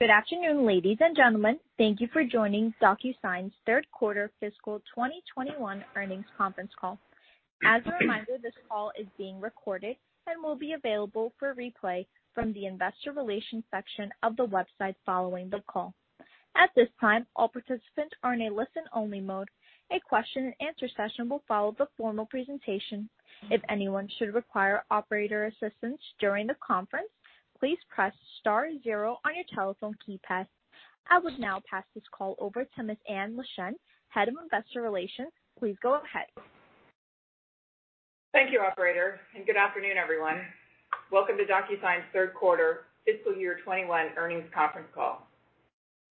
Good afternoon, ladies and gentlemen. Thank you for joining DocuSign's third quarter fiscal 2021 earnings conference call. As a reminder, this call is being recorded and will be available for replay from the investor relations section of the website following the call. At this time, all participants are in a listen-only mode. A question and answer session will follow the formal presentation. I would now pass this call over to Miss Anne Leschin, Head of Investor Relations. Please go ahead. Thank you, operator. Good afternoon, everyone. Welcome to DocuSign's third quarter fiscal year 2021 earnings conference call.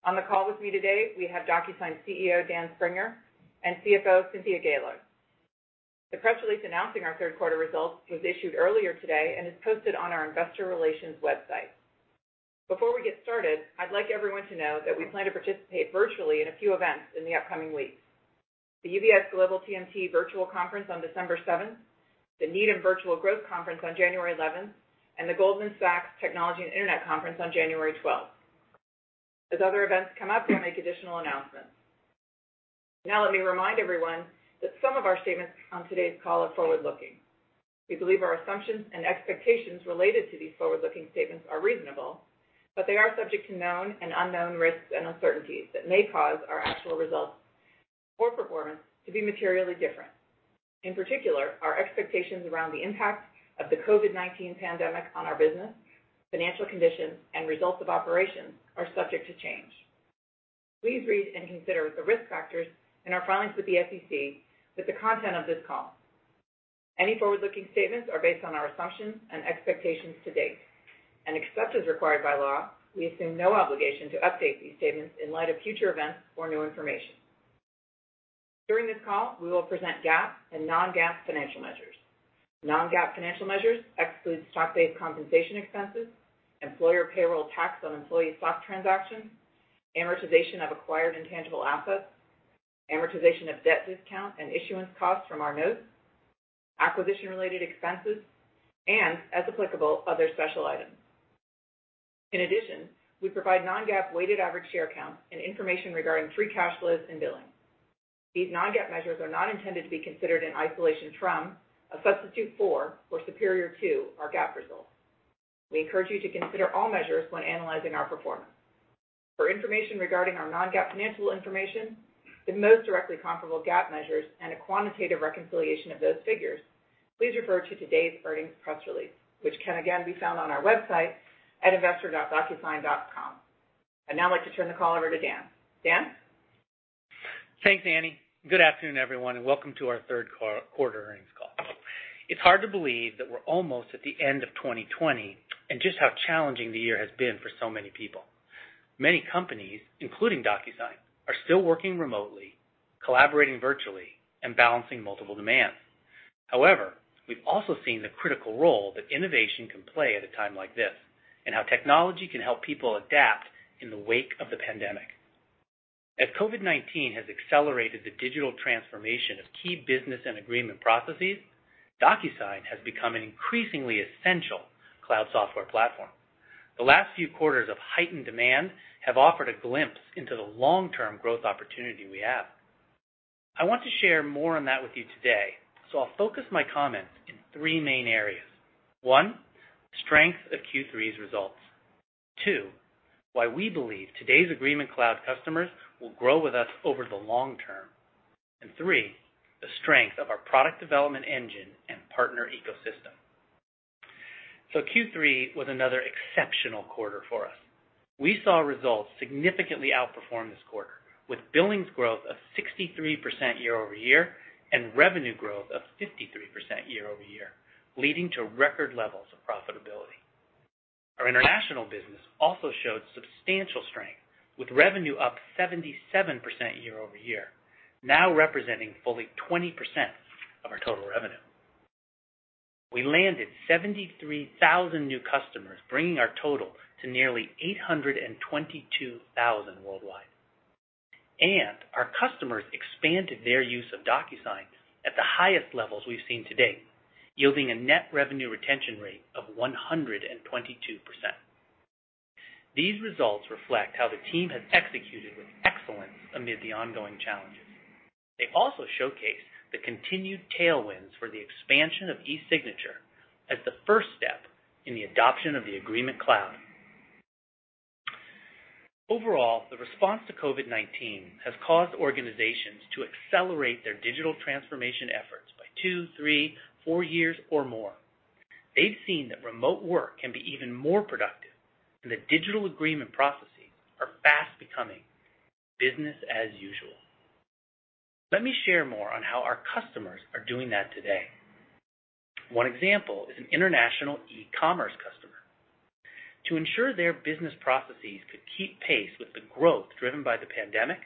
On the call with me today, we have DocuSign CEO, Dan Springer, and CFO, Cynthia Gaylor. The press release announcing our third quarter results was issued earlier today and is posted on our investor relations website. Before we get started, I'd like everyone to know that we plan to participate virtually in a few events in the upcoming weeks. The UBS Global TMT Virtual Conference on December 7th, the Needham Virtual Growth Conference on January 11th, and the Goldman Sachs Technology and Internet Conference on January 12th. As other events come up, we'll make additional announcements. Let me remind everyone that some of our statements on today's call are forward-looking. We believe our assumptions and expectations related to these forward-looking statements are reasonable, but they are subject to known and unknown risks and uncertainties that may cause our actual results or performance to be materially different. In particular, our expectations around the impact of the COVID-19 pandemic on our business, financial conditions, and results of operations are subject to change. Please read and consider the risk factors in our filings with the SEC with the content of this call. Any forward-looking statements are based on our assumptions and expectations to date. Except as required by law, we assume no obligation to update these statements in light of future events or new information. During this call, we will present GAAP and non-GAAP financial measures. Non-GAAP financial measures exclude stock-based compensation expenses, employer payroll tax on employee stock transactions, amortization of acquired intangible assets, amortization of debt discount and issuance costs from our notes, acquisition-related expenses, and, as applicable, other special items. In addition, we provide non-GAAP weighted average share count and information regarding free cash flows and billings. These non-GAAP measures are not intended to be considered in isolation from, a substitute for, or superior to our GAAP results. We encourage you to consider all measures when analyzing our performance. For information regarding our non-GAAP financial information, the most directly comparable GAAP measures, and a quantitative reconciliation of those figures, please refer to today's earnings press release, which can again be found on our website at investor.docusign.com. I'd now like to turn the call over to Dan. Dan? Thanks, Annie. Good afternoon, everyone, and welcome to our third quarter earnings call. It's hard to believe that we're almost at the end of 2020 and just how challenging the year has been for so many people. Many companies, including DocuSign, are still working remotely, collaborating virtually, and balancing multiple demands. However, we've also seen the critical role that innovation can play at a time like this, and how technology can help people adapt in the wake of the pandemic. As COVID-19 has accelerated the digital transformation of key business and agreement processes, DocuSign has become an increasingly essential cloud software platform. The last few quarters of heightened demand have offered a glimpse into the long-term growth opportunity we have. I want to share more on that with you today. I'll focus my comments in three main areas. One, strength of Q3's results. Two, why we believe today's Agreement Cloud customers will grow with us over the long-term. Three, the strength of our product development engine and partner ecosystem. Q3 was another exceptional quarter for us. We saw results significantly outperform this quarter, with billings growth of 63% year-over-year and revenue growth of 53% year-over-year, leading to record levels of profitability. Our international business also showed substantial strength, with revenue up 77% year-over-year, now representing fully 20% of our total revenue. We landed 73,000 new customers, bringing our total to nearly 822,000 worldwide. Our customers expanded their use of DocuSign at the highest levels we've seen to date, yielding a net revenue retention rate of 122%. These results reflect how the team has executed with excellence amid the ongoing challenges. They also showcase the continued tailwinds for the expansion of eSignature as the first step in the adoption of the Agreement Cloud. Overall, the response to COVID-19 has caused organizations to accelerate their digital transformation efforts by two, three, four years or more. They've seen that remote work can be even more productive, and that digital agreement processes are fast becoming business as usual. Let me share more on how our customers are doing that today. One example is an international e-commerce customer. To ensure their business processes could keep pace with the growth driven by the pandemic,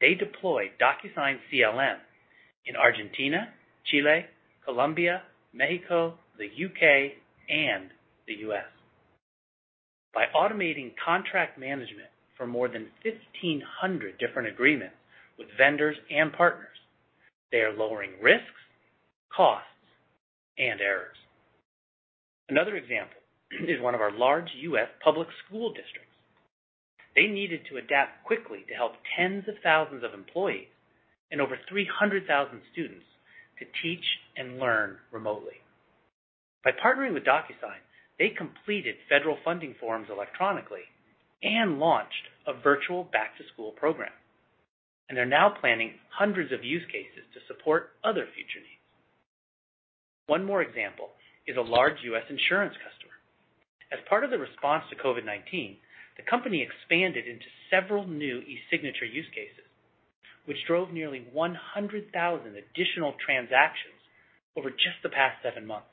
they deployed DocuSign CLM in Argentina, Chile, Colombia, Mexico, the U.K., and the U.S. By automating contract management for more than 1,500 different agreements with vendors and partners, they are lowering risks, costs and errors. Another example is one of our large U.S. public school districts. They needed to adapt quickly to help tens of thousands of employees and over 300,000 students to teach and learn remotely. By partnering with DocuSign, they completed federal funding forms electronically and launched a virtual back-to-school program. They're now planning hundreds of use cases to support other future needs. One more example is a large U.S. insurance customer. As part of the response to COVID-19, the company expanded into several new eSignature use cases, which drove nearly 100,000 additional transactions over just the past seven months.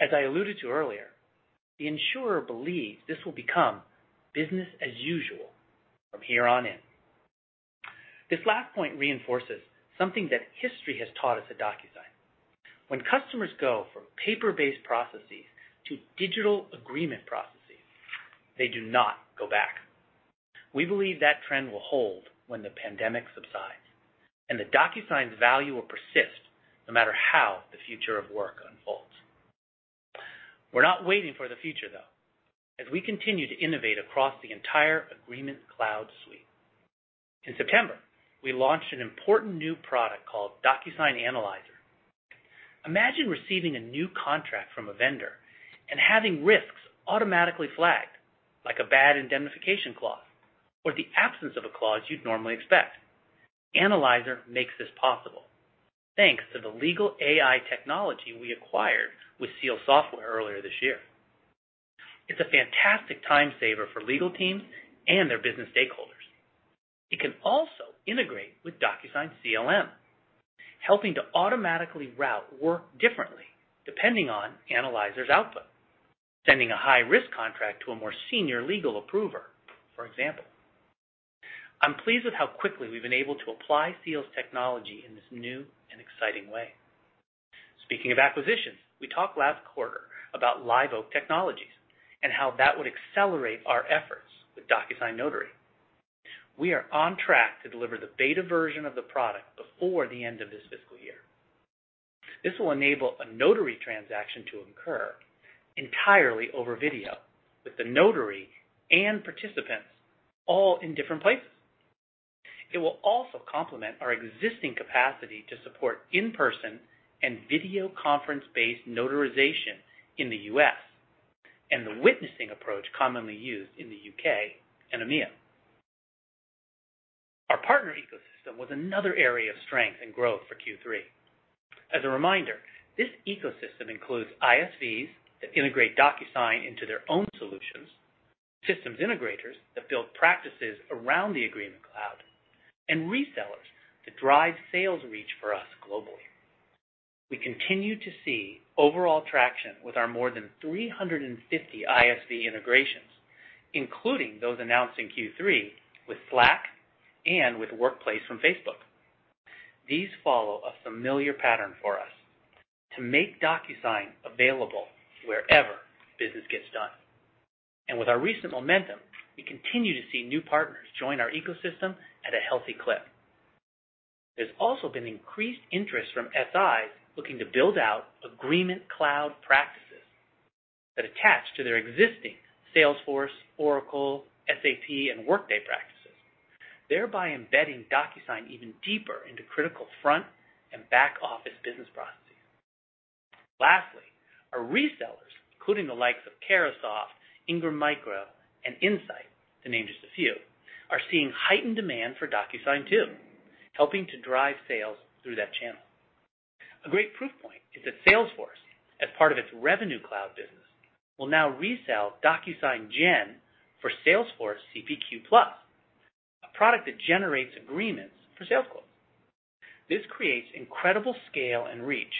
As I alluded to earlier, the insurer believes this will become business as usual from here on in. This last point reinforces something that history has taught us at DocuSign. When customers go from paper-based processes to digital agreement processes, they do not go back. We believe that trend will hold when the pandemic subsides, that DocuSign's value will persist no matter how the future of work unfolds. We're not waiting for the future, though, as we continue to innovate across the entire Agreement Cloud suite. In September, we launched an important new product called DocuSign Analyzer. Imagine receiving a new contract from a vendor and having risks automatically flagged, like a bad indemnification clause or the absence of a clause you'd normally expect. Analyzer makes this possible, thanks to the legal AI technology we acquired with Seal Software earlier this year. It's a fantastic time saver for legal teams and their business stakeholders. It can also integrate with DocuSign CLM, helping to automatically route work differently depending on Analyzer's output, sending a high-risk contract to a more senior legal approver, for example. I'm pleased with how quickly we've been able to apply Seal's technology in this new and exciting way. Speaking of acquisitions, we talked last quarter about Liveoak Technologies and how that would accelerate our efforts with DocuSign Notary. We are on track to deliver the beta version of the product before the end of this fiscal year. This will enable a notary transaction to occur entirely over video with the notary and participants all in different places. It will also complement our existing capacity to support in-person and video conference-based notarization in the U.S. and the witnessing approach commonly used in the U.K. and EMEA. Our partner ecosystem was another area of strength and growth for Q3. As a reminder, this ecosystem includes ISVs that integrate DocuSign into their own solutions, systems integrators that build practices around the Agreement Cloud, and resellers that drive sales reach for us globally. We continue to see overall traction with our more than 350 ISV integrations, including those announced in Q3 with Slack and with Workplace from Facebook. These follow a familiar pattern for us to make DocuSign available wherever business gets done. With our recent momentum, we continue to see new partners join our ecosystem at a healthy clip. There's also been increased interest from SIs looking to build out Agreement Cloud practices that attach to their existing Salesforce, Oracle, SAP, and Workday practices, thereby embedding DocuSign even deeper into critical front and back-office business processes. Lastly, our resellers, including the likes of Carahsoft, Ingram Micro, and Insight, to name just a few, are seeing heightened demand for DocuSign too, helping to drive sales through that channel. A great proof point is that Salesforce, as part of its Revenue Cloud business, will now resell DocuSign Gen for Salesforce CPQ Plus, a product that generates agreements for sales quotes. This creates incredible scale and reach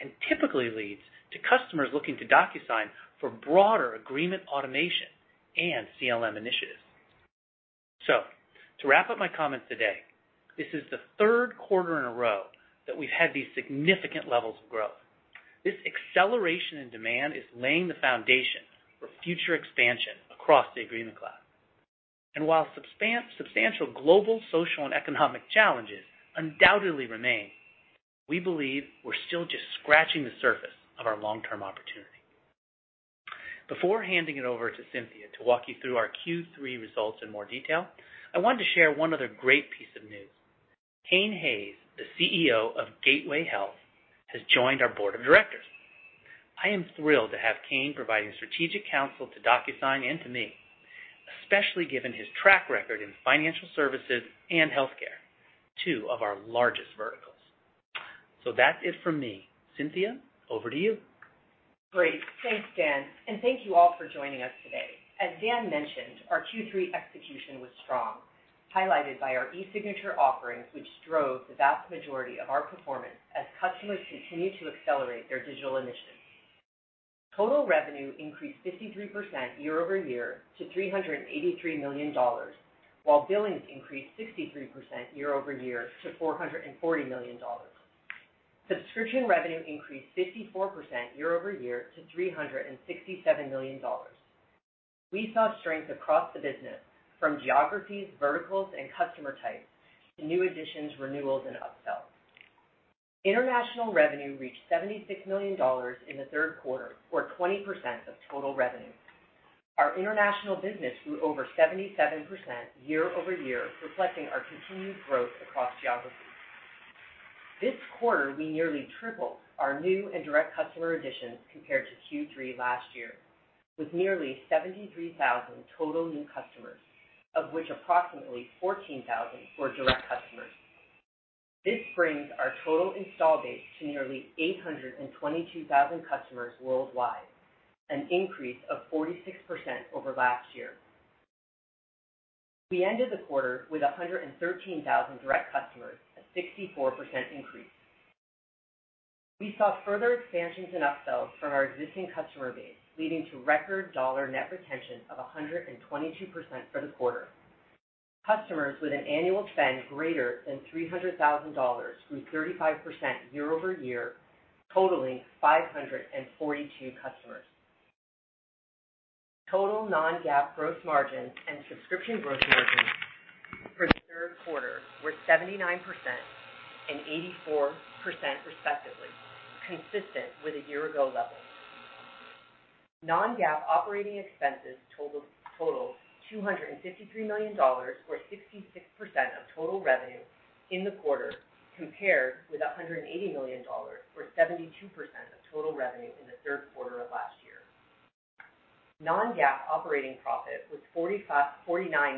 and typically leads to customers looking to DocuSign for broader agreement automation and CLM initiatives. To wrap up my comments today, this is the third quarter in a row that we've had these significant levels of growth. This acceleration in demand is laying the foundation for future expansion across the Agreement Cloud. While substantial global, social, and economic challenges undoubtedly remain, we believe we're still just scratching the surface of our long-term opportunity. Before handing it over to Cynthia to walk you through our Q3 results in more detail, I wanted to share one other great piece of news. Cain Hayes, the CEO of Gateway Health, has joined our board of directors. I am thrilled to have Cain providing strategic counsel to DocuSign and to me, especially given his track record in financial services and healthcare, two of our largest verticals. That's it from me. Cynthia, over to you. Great. Thanks, Dan, thank you all for joining us today. As Dan mentioned, our Q3 execution was strong, highlighted by our eSignature offerings, which drove the vast majority of our performance as customers continue to accelerate their digital initiatives. Total revenue increased 53% year-over-year to $383 million, while billings increased 63% year-over-year to $440 million. Subscription revenue increased 54% year-over-year to $367 million. We saw strength across the business from geographies, verticals, and customer types to new additions, renewals, and upsells. International revenue reached $76 million in the third quarter, or 20% of total revenue. Our international business grew over 77% year-over-year, reflecting our continued growth across geographies. This quarter, we nearly tripled our new and direct customer additions compared to Q3 last year, with nearly 73,000 total new customers, of which approximately 14,000 were direct customers. This brings our total install base to nearly 822,000 customers worldwide, an increase of 46% over last year. We ended the quarter with 113,000 direct customers, a 64% increase. We saw further expansions and upsells from our existing customer base, leading to record dollar net retention of 122% for the quarter. Customers with an annual spend greater than $300,000 grew 35% year-over-year, totaling 542 customers. Total non-GAAP gross margin and subscription gross margin for the third quarter were 79% and 84% respectively, consistent with a year-ago level. Non-GAAP operating expenses totaled $253 million, or 66% of total revenue in the quarter, compared with $180 million, or 72% of total revenue in the third quarter of last year. Non-GAAP operating profit was $49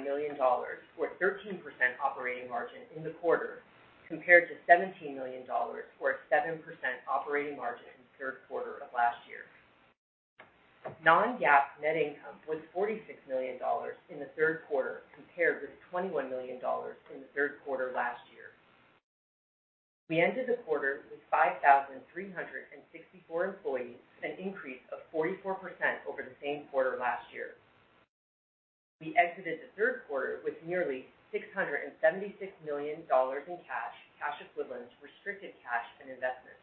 million, or 13% operating margin in the quarter, compared to $17 million, or a 7% operating margin in the third quarter of last year. Non-GAAP net income was $46 million in the third quarter, compared with $21 million in the third quarter last year. We ended the quarter with 5,364 employees, an increase of 44% over the same quarter last year. We exited the third quarter with nearly $676 million in cash equivalents, restricted cash, and investments.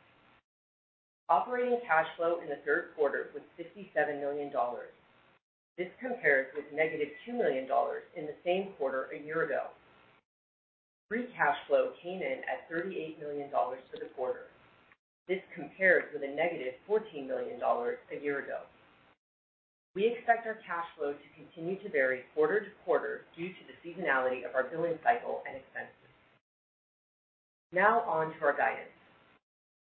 Operating cash flow in the third quarter was $57 million. This compares with -$2 million in the same quarter a year ago. Free cash flow came in at $38 million for the quarter. This compares with a -$14 million a year ago. We expect our cash flow to continue to vary quarter-to-quarter due to the seasonality of our billing cycle and expenses. Now on to our guidance.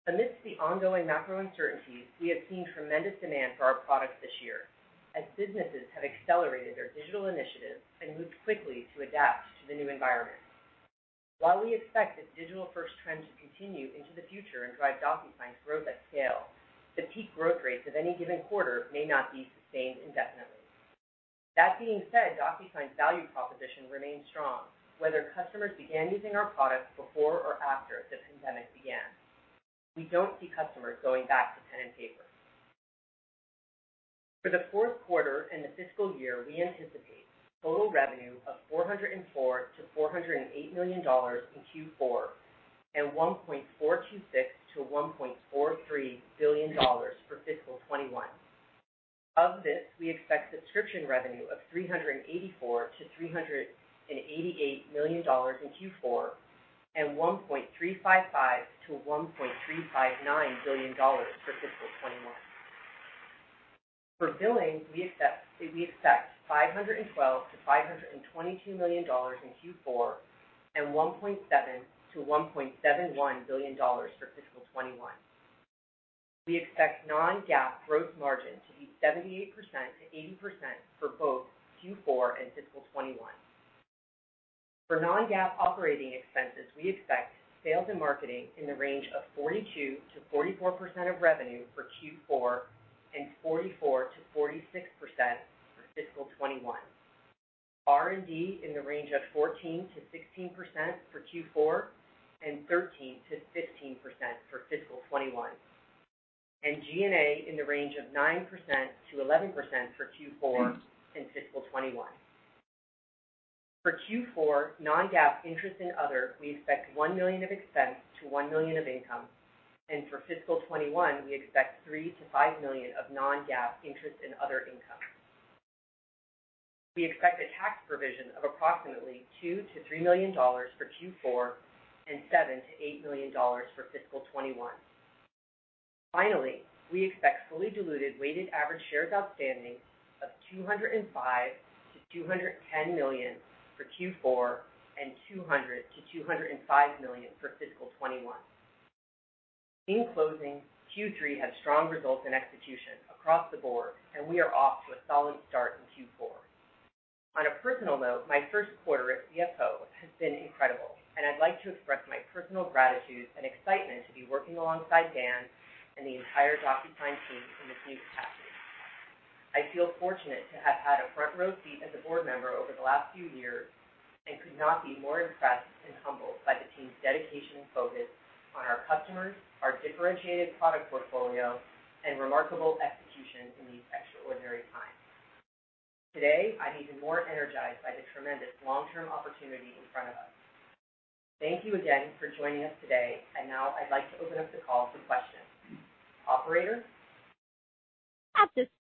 Amidst the ongoing macro uncertainties, we have seen tremendous demand for our products this year, as businesses have accelerated their digital initiatives and moved quickly to adapt to the new environment. While we expect this digital-first trend to continue into the future and drive DocuSign's growth at scale, the peak growth rates of any given quarter may not be sustained indefinitely. That being said, DocuSign's value proposition remains strong whether customers began using our products before or after the pandemic began. We don't see customers going back to pen and paper. For the fourth quarter and the fiscal year, we anticipate total revenue of $404 million-$408 million in Q4, and $1.426 billion-$1.43 billion for fiscal 2021. Of this, we expect subscription revenue of $384 million-$388 million in Q4, and $1.355 billion-$1.359 billion for fiscal 2021. For billing, we expect $512 million-$522 million in Q4, and $1.7 billion-$1.71 billion for fiscal 2021. We expect non-GAAP gross margin to be 78%-80% for both Q4 and fiscal 2021. For non-GAAP operating expenses, we expect sales and marketing in the range of 42%-44% of revenue for Q4, and 44%-46% for fiscal 2021. R&D in the range of 14%-16% for Q4 and 13%-15% for fiscal 2021. G&A in the range of 9%-11% for Q4 and fiscal 2021. For Q4, non-GAAP interest and other, we expect $1 million of expense to $1 million of income. For fiscal 2021, we expect $3 million-$5 million of non-GAAP interest and other income. We expect a tax provision of approximately $2 million-$3 million for Q4, and $7 million-$8 million for fiscal 2021. Finally, we expect fully diluted weighted average shares outstanding of $205 million-$210 million for Q4, and $200 million-$205 million for fiscal 2021. In closing, Q3 had strong results and execution across the board, and we are off to a solid start in Q4. On a personal note, my first quarter as CFO has been incredible, and I'd like to express my personal gratitude and excitement to be working alongside Dan and the entire DocuSign team in this new capacity. I feel fortunate to have had a front-row seat as a board member over the last few years and could not be more impressed and humbled by the team's dedication and focus on our customers, our differentiated product portfolio, and remarkable execution in these extraordinary times. Today, I'm even more energized by the tremendous long-term opportunity in front of us. Thank you again for joining us today. Now I'd like to open up the call for questions. Operator?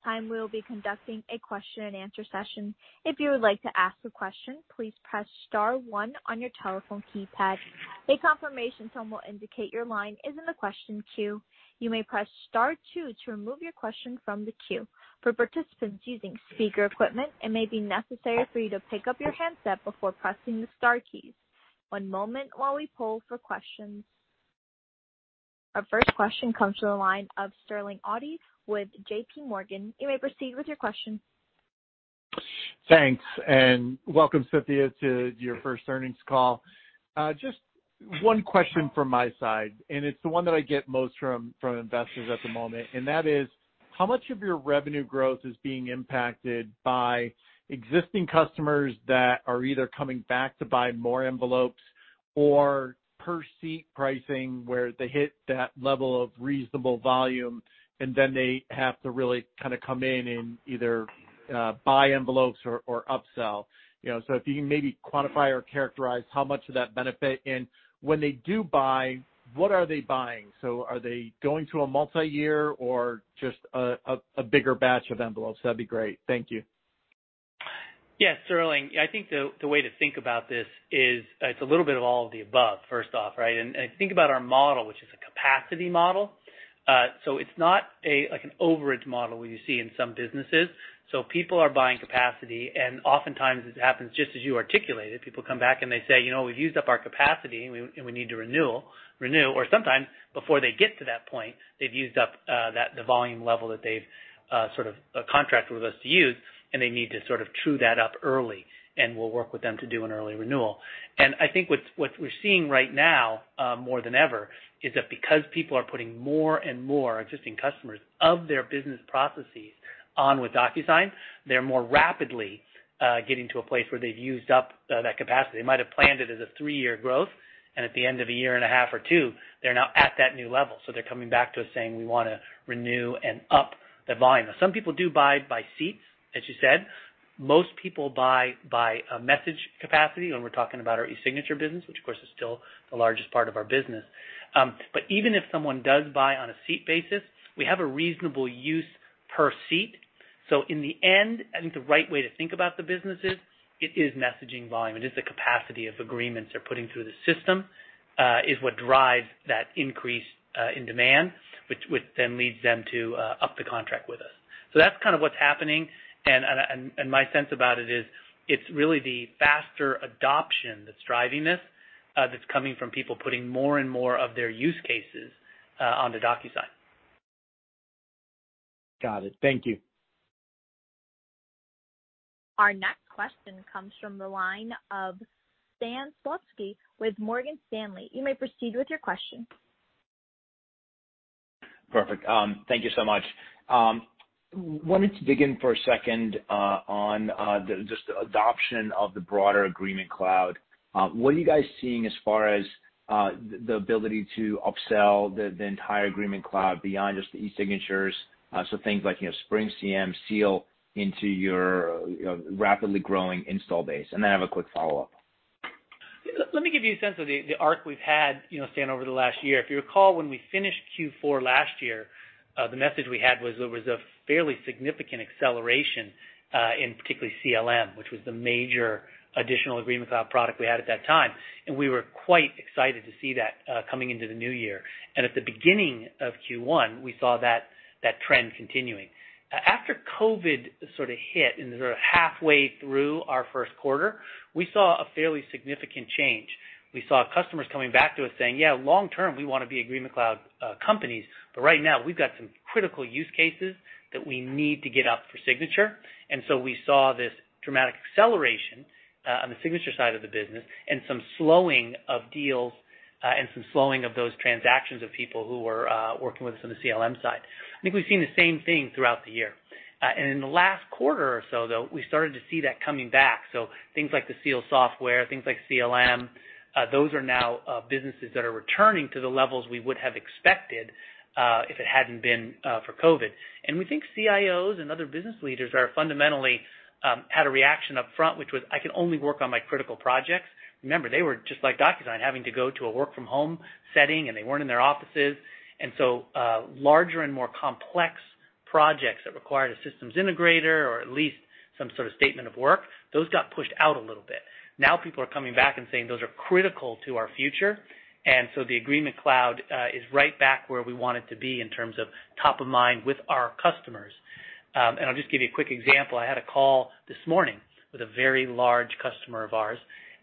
Our first question comes from the line of Sterling Auty with JPMorgan. You may proceed with your question. Thanks, welcome, Cynthia, to your first earnings call. Just one question from my side, it's the one that I get most from investors at the moment, that is how much of your revenue growth is being impacted by existing customers that are either coming back to buy more envelopes or per-seat pricing, where they hit that level of reasonable volume, then they have to really come in and either buy envelopes or upsell. If you can maybe quantify or characterize how much of that benefit, when they do buy, what are they buying? Are they going to a multi-year or just a bigger batch of envelopes? That'd be great. Thank you. Yes, Sterling. I think the way to think about this is it's a little bit of all of the above, first off, right? Think about our model, which is a capacity model. It's not like an overage model where you see in some businesses. People are buying capacity, and oftentimes it happens just as you articulated. People come back, and they say, "We've used up our capacity, and we need to renew." Sometimes before they get to that point, they've used up the volume level that they've contracted with us to use, and they need to true that up early, and we'll work with them to do an early renewal. I think what we're seeing right now more than ever is that because people are putting more and more existing customers of their business processes on with DocuSign, they're more rapidly getting to a place where they've used up that capacity. They might have planned it as a three-year growth, and at the end of a year and a half or two, they're now at that new level. They're coming back to us saying, "We want to renew and up the volume." Some people do buy by seats, as you said. Most people buy by message capacity when we're talking about our eSignature business, which of course, is still the largest part of our business. But even if someone does buy on a seat basis, we have a reasonable use per seat. In the end, I think the right way to think about the business is, it is messaging volume. It is the capacity of agreements they're putting through the system is what drives that increase in demand, which then leads them to up the contract with us. That's kind of what's happening, and my sense about it is it's really the faster adoption that's driving this, that's coming from people putting more and more of their use cases onto DocuSign. Got it. Thank you. Our next question comes from the line of Stan Zlotsky with Morgan Stanley. You may proceed with your question. Perfect. Thank you so much. I wanted to dig in for a second on just the adoption of the broader Agreement Cloud. What are you guys seeing as far as the ability to upsell the entire Agreement Cloud beyond just the eSignatures, so things like SpringCM, Seal into your rapidly growing install base? I have a quick follow-up. Let me give you a sense of the arc we've had, Stan, over the last year. If you recall, when we finished Q4 last year, the message we had was there was a fairly significant acceleration in particularly CLM, which was the major additional Agreement Cloud product we had at that time. We were quite excited to see that coming into the new year. At the beginning of Q1, we saw that trend continuing. After COVID sort of hit in the sort of halfway through our first quarter, we saw a fairly significant change. We saw customers coming back to us saying, "Yeah, long-term, we want to be Agreement Cloud companies, but right now we've got some critical use cases that we need to get out for signature." We saw this dramatic acceleration on the signature side of the business and some slowing of deals and some slowing of those transactions of people who were working with us on the CLM side. I think we've seen the same thing throughout the year. In the last quarter or so, though, we started to see that coming back. Things like the Seal Software, things like CLM, those are now businesses that are returning to the levels we would have expected if it hadn't been for COVID-19. We think CIOs and other business leaders are fundamentally had a reaction up front, which was, "I can only work on my critical projects." Remember, they were just like DocuSign, having to go to a work-from-home setting, and they weren't in their offices. Larger and more complex projects that required a systems integrator or at least some sort of statement of work, those got pushed out a little bit. Now people are coming back and saying, "Those are critical to our future." The Agreement Cloud is right back where we want it to be in terms of top of mind with our customers. I'll just give you a quick example. I had a call this morning with a very large customer of ours,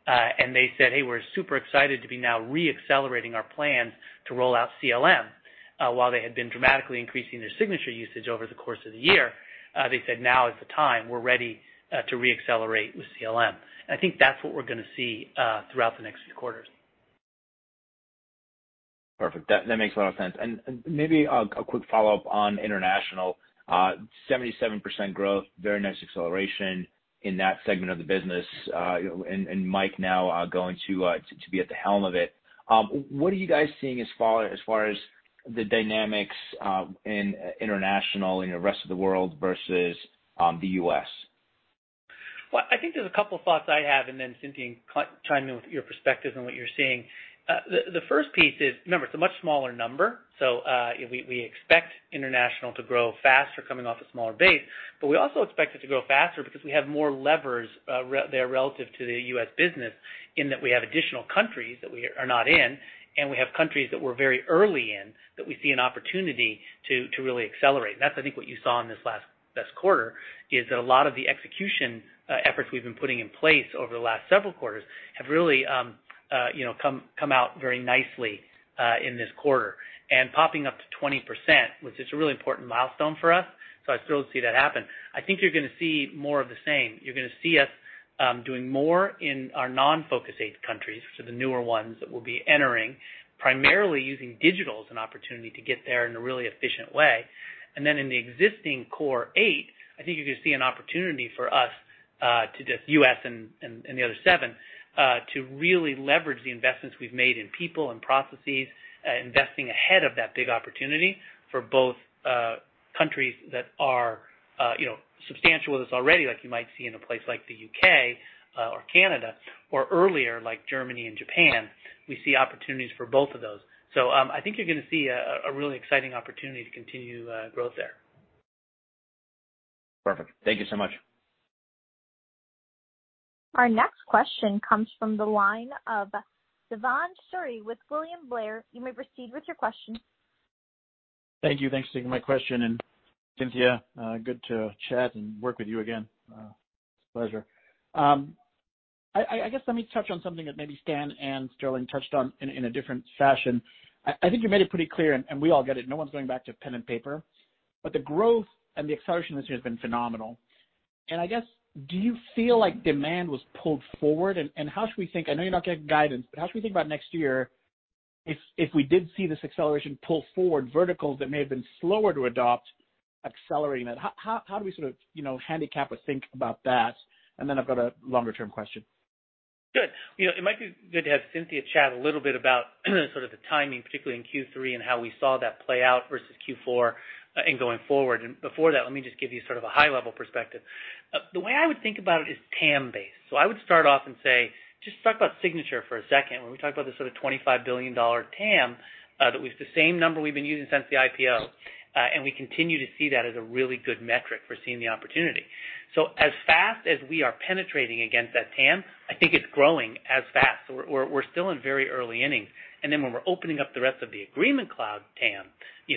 and they said, "Hey, we're super excited to be now re-accelerating our plans to roll out CLM." While they had been dramatically increasing their signature usage over the course of the year, they said, "Now is the time. We're ready to re-accelerate with CLM." I think that's what we're going to see throughout the next few quarters. Perfect. That makes a lot of sense. Maybe a quick follow-up on international. 77% growth, very nice acceleration in that segment of the business, and Mike now going to be at the helm of it. What are you guys seeing as far as the dynamics in international, in the rest of the world versus the U.S.? Well, I think there's a couple thoughts I have, and then Cynthia, chime in with your perspective on what you're seeing. The first piece is, remember, it's a much smaller number, so we expect international to grow faster coming off a smaller base. We also expect it to grow faster because we have more levers there relative to the U.S. business in that we have additional countries that we are not in, and we have countries that we're very early in that we see an opportunity to really accelerate. That's, I think what you saw in this last quarter, is that a lot of the execution efforts we've been putting in place over the last several quarters have really come out very nicely in this quarter. Popping up to 20%, which is a really important milestone for us, so I was thrilled to see that happen. I think you're going to see more of the same. You're going to see us doing more in our non-focus eight countries, the newer ones that we'll be entering, primarily using digital as an opportunity to get there in a really efficient way. In the existing core eight, I think you're going to see an opportunity for us to just, U.S. and the other seven, to really leverage the investments we've made in people and processes, investing ahead of that big opportunity for both countries that are substantial with us already, like you might see in a place like the U.K. or Canada, or earlier, like Germany and Japan. We see opportunities for both of those. I think you're going to see a really exciting opportunity to continue growth there. Perfect. Thank you so much. Our next question comes from the line of Bhavan Suri with William Blair. You may proceed with your question. Thank you. Thanks for taking my question, Cynthia, good to chat and work with you again. It's a pleasure. Let me touch on something that maybe Stan and Sterling touched on in a different fashion. You made it pretty clear, we all get it, no one's going back to pen and paper, but the growth and the acceleration this year has been phenomenal. Do you feel like demand was pulled forward? How should we think, I know you're not giving guidance, but how should we think about next year if we did see this acceleration pull forward verticals that may have been slower to adopt, accelerating it? How do we sort of handicap or think about that? Then I've got a longer-term question. Good. It might be good to have Cynthia chat a little bit about sort of the timing, particularly in Q3, and how we saw that play out versus Q4 and going forward. Before that, let me just give you sort of a high level perspective. The way I would think about it is TAM base. I would start off and say, just talk about signature for a second. When we talk about the sort of $25 billion TAM, that was the same number we've been using since the IPO. We continue to see that as a really good metric for seeing the opportunity. As fast as we are penetrating against that TAM, I think it's growing as fast. We're still in very early innings. When we're opening up the rest of the Agreement Cloud TAM,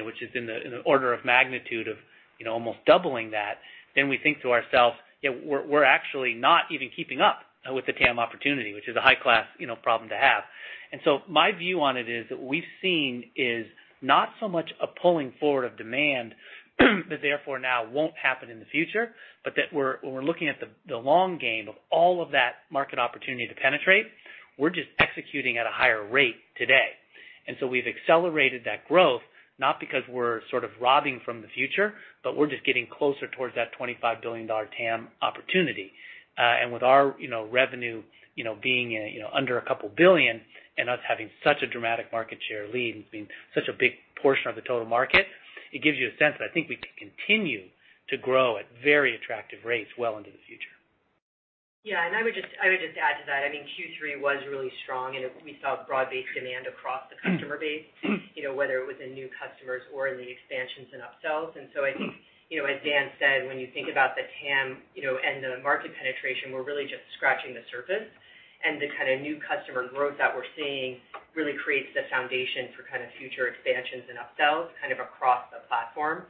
which is in the order of magnitude of almost doubling that, then we think to ourselves, "We're actually not even keeping up with the TAM opportunity," which is a high-class problem to have. My view on it is that what we've seen is not so much a pulling forward of demand that therefore now won't happen in the future, but that we're looking at the long game of all of that market opportunity to penetrate. We're just executing at a higher rate today. We've accelerated that growth, not because we're sort of robbing from the future, but we're just getting closer towards that $25 billion TAM opportunity. With our revenue being under a $2 billion, and us having such a dramatic market share lead and being such a big portion of the total market, it gives you a sense that I think we can continue to grow at very attractive rates well into the future. Yeah, I would just add to that, I mean, Q3 was really strong, and we saw broad-based demand across the customer base, whether it was in new customers or in the expansions and upsells. I think, as Dan said, when you think about the TAM, and the market penetration, we're really just scratching the surface. The kind of new customer growth that we're seeing really creates the foundation for future expansions and upsells across the platform,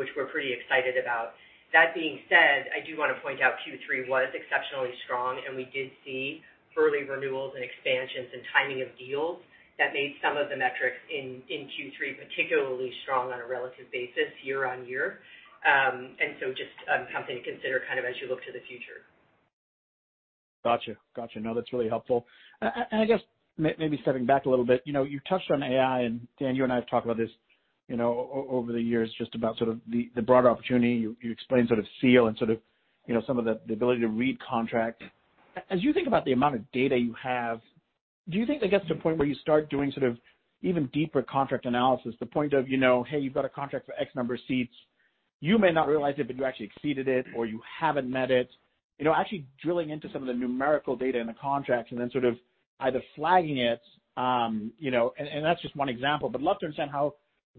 which we're pretty excited about. That being said, I do want to point out Q3 was exceptionally strong, and we did see early renewals and expansions and timing of deals that made some of the metrics in Q3 particularly strong on a relative basis year-on-year. Just something to consider as you look to the future. Got you. No, that's really helpful. I guess maybe stepping back a little bit, you touched on AI, and Dan, you and I have talked about this over the years, just about the broader opportunity. You explained sort of Seal, and some of the ability to read contracts. As you think about the amount of data you have, do you think that gets to a point where you start doing even deeper contract analysis, to the point of, "Hey, you've got a contract for X number of seats. You may not realize it, but you actually exceeded it or you haven't met it. Actually drilling into some of the numerical data in the contracts and then either flagging it, and that's just one example, but I love to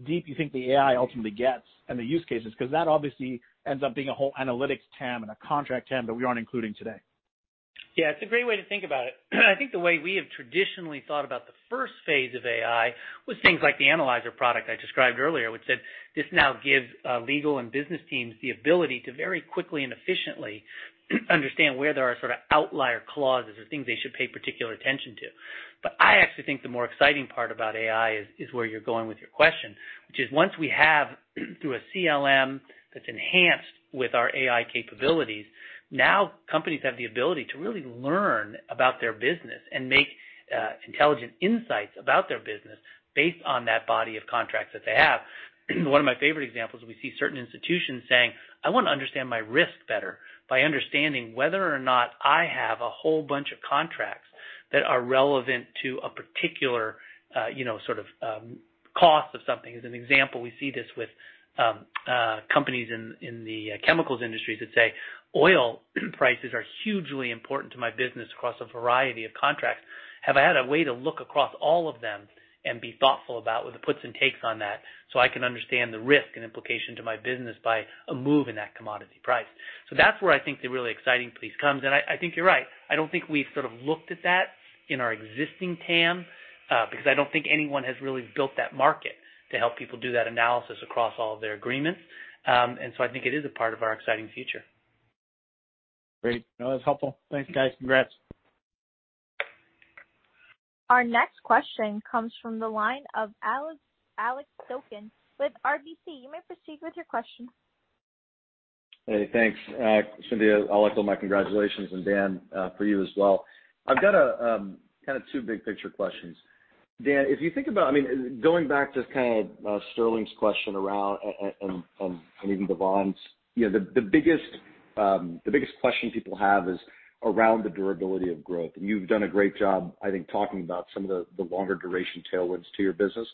understand how deep you think the AI ultimately gets and the use cases, because that obviously ends up being a whole analytics TAM and a contract TAM that we aren't including today. Yeah, it's a great way to think about it. I think the way we have traditionally thought about the first phase of AI was things like the Analyzer product I described earlier, which said this now gives legal and business teams the ability to very quickly and efficiently understand where there are outlier clauses or things they should pay particular attention to. I actually think the more exciting part about AI is where you're going with your question, which is once we have through a CLM that's enhanced with our AI capabilities, now companies have the ability to really learn about their business and make intelligent insights about their business based on that body of contracts that they have. One of my favorite examples is we see certain institutions saying, "I want to understand my risk better by understanding whether or not I have a whole bunch of contracts that are relevant to a particular cost of something. As an example, we see this with companies in the chemicals industry that say, "Oil prices are hugely important to my business across a variety of contracts. Have I had a way to look across all of them and be thoughtful about what the puts and takes on that, so I can understand the risk and implication to my business by a move in that commodity price?" That's where I think the really exciting piece comes in. I think you're right. I don't think we've looked at that in our existing TAM, because I don't think anyone has really built that market to help people do that analysis across all of their agreements. I think it is a part of our exciting future. Great. No, that's helpful. Thanks, guys. Congrats. Our next question comes from the line of Alex Zukin with RBC. You may proceed with your question. Hey, thanks, Cynthia. I'll echo my congratulations, and Dan, for you as well. I've got two big-picture questions. Dan, going back to Sterling's question around, and even Bhavan's, the biggest question people have is around the durability of growth. You've done a great job, I think, talking about some of the longer duration tailwinds to your business.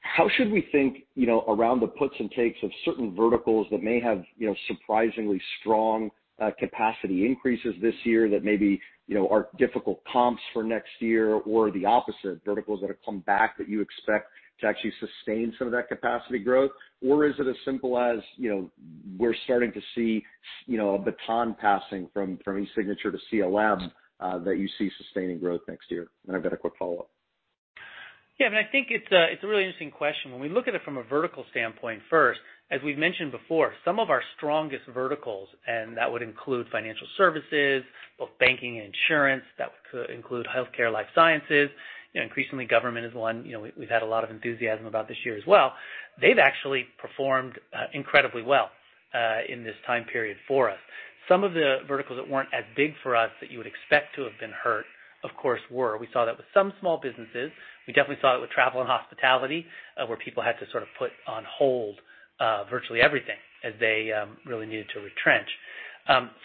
How should we think around the puts and takes of certain verticals that may have surprisingly strong capacity increases this year that maybe are difficult comps for next year or the opposite, verticals that have come back that you expect to actually sustain some of that capacity growth? Or is it as simple as, we're starting to see a baton passing from eSignature to CLM, that you see sustaining growth next year? I've got a quick follow-up. Yeah. I think it's a really interesting question. When we look at it from a vertical standpoint first, as we've mentioned before, some of our strongest verticals, and that would include financial services, both banking and insurance, that could include healthcare, life sciences, increasingly government is one we've had a lot of enthusiasm about this year as well. They've actually performed incredibly well in this time period for us. Some of the verticals that weren't as big for us that you would expect to have been hurt, of course, were. We saw that with some small businesses. We definitely saw it with travel and hospitality, where people had to sort of put on hold virtually everything as they really needed to retrench.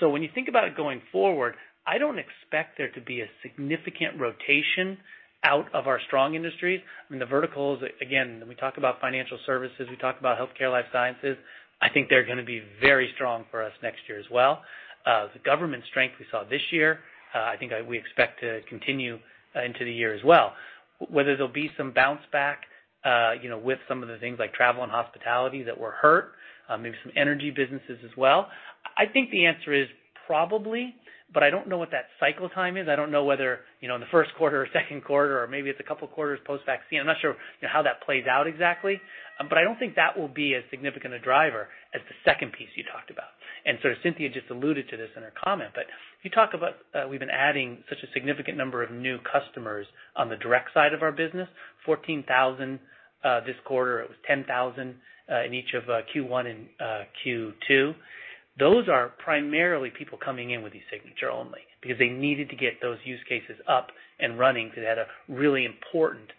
When you think about it going forward, I don't expect there to be a significant rotation out of our strong industries. The verticals, again, when we talk about financial services, we talk about healthcare, life sciences, I think they're going to be very strong for us next year as well. The government strength we saw this year, I think we expect to continue into the year as well. Whether there'll be some bounce back with some of the things like travel and hospitality that were hurt, maybe some energy businesses as well, I think the answer is probably, but I don't know what that cycle time is. I don't know whether in the first quarter or second quarter, or maybe it's a couple of quarters post-vaccine. I'm not sure how that plays out exactly, but I don't think that will be as significant a driver as the second piece you talked about. Cynthia just alluded to this in her comment. If you talk about we've been adding such a significant number of new customers on the direct side of our business, 14,000 this quarter, it was 10,000 in each of Q1 and Q2. Those are primarily people coming in with eSignature only because they needed to get those use cases up and running because they had a really important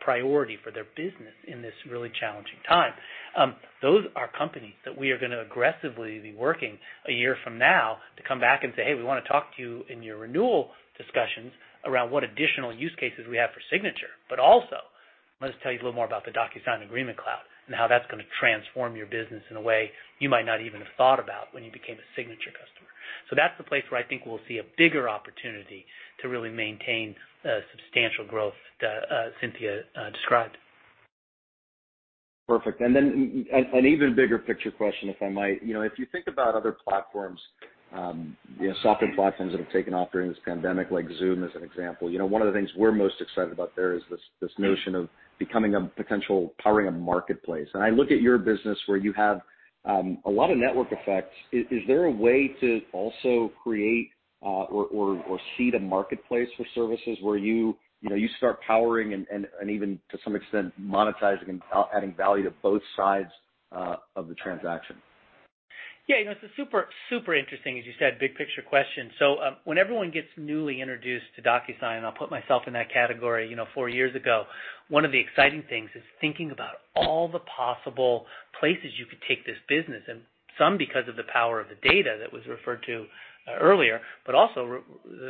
priority for their business in this really challenging time. Those are companies that we are going to aggressively be working a year from now to come back and say, "Hey, we want to talk to you in your renewal discussions around what additional use cases we have for signature, but also let us tell you a little more about the DocuSign Agreement Cloud and how that's going to transform your business in a way you might not even have thought about when you became a signature customer." That's the place where I think we'll see a bigger opportunity to really maintain substantial growth that Cynthia described. Perfect. Then an even bigger picture question, if I might. If you think about other platforms, software platforms that have taken off during this pandemic, like Zoom as an example, one of the things we're most excited about there is this notion of becoming a potential powering a marketplace. I look at your business where you have a lot of network effects. Is there a way to also create or seed a marketplace for services where you start powering and even, to some extent, monetizing and adding value to both sides of the transaction? Yeah. It's a super interesting, as you said, big-picture question. When everyone gets newly introduced to DocuSign, and I'll put myself in that category, four years ago, one of the exciting things is thinking about all the possible places you could take this business, and some because of the power of the data that was referred to earlier, but also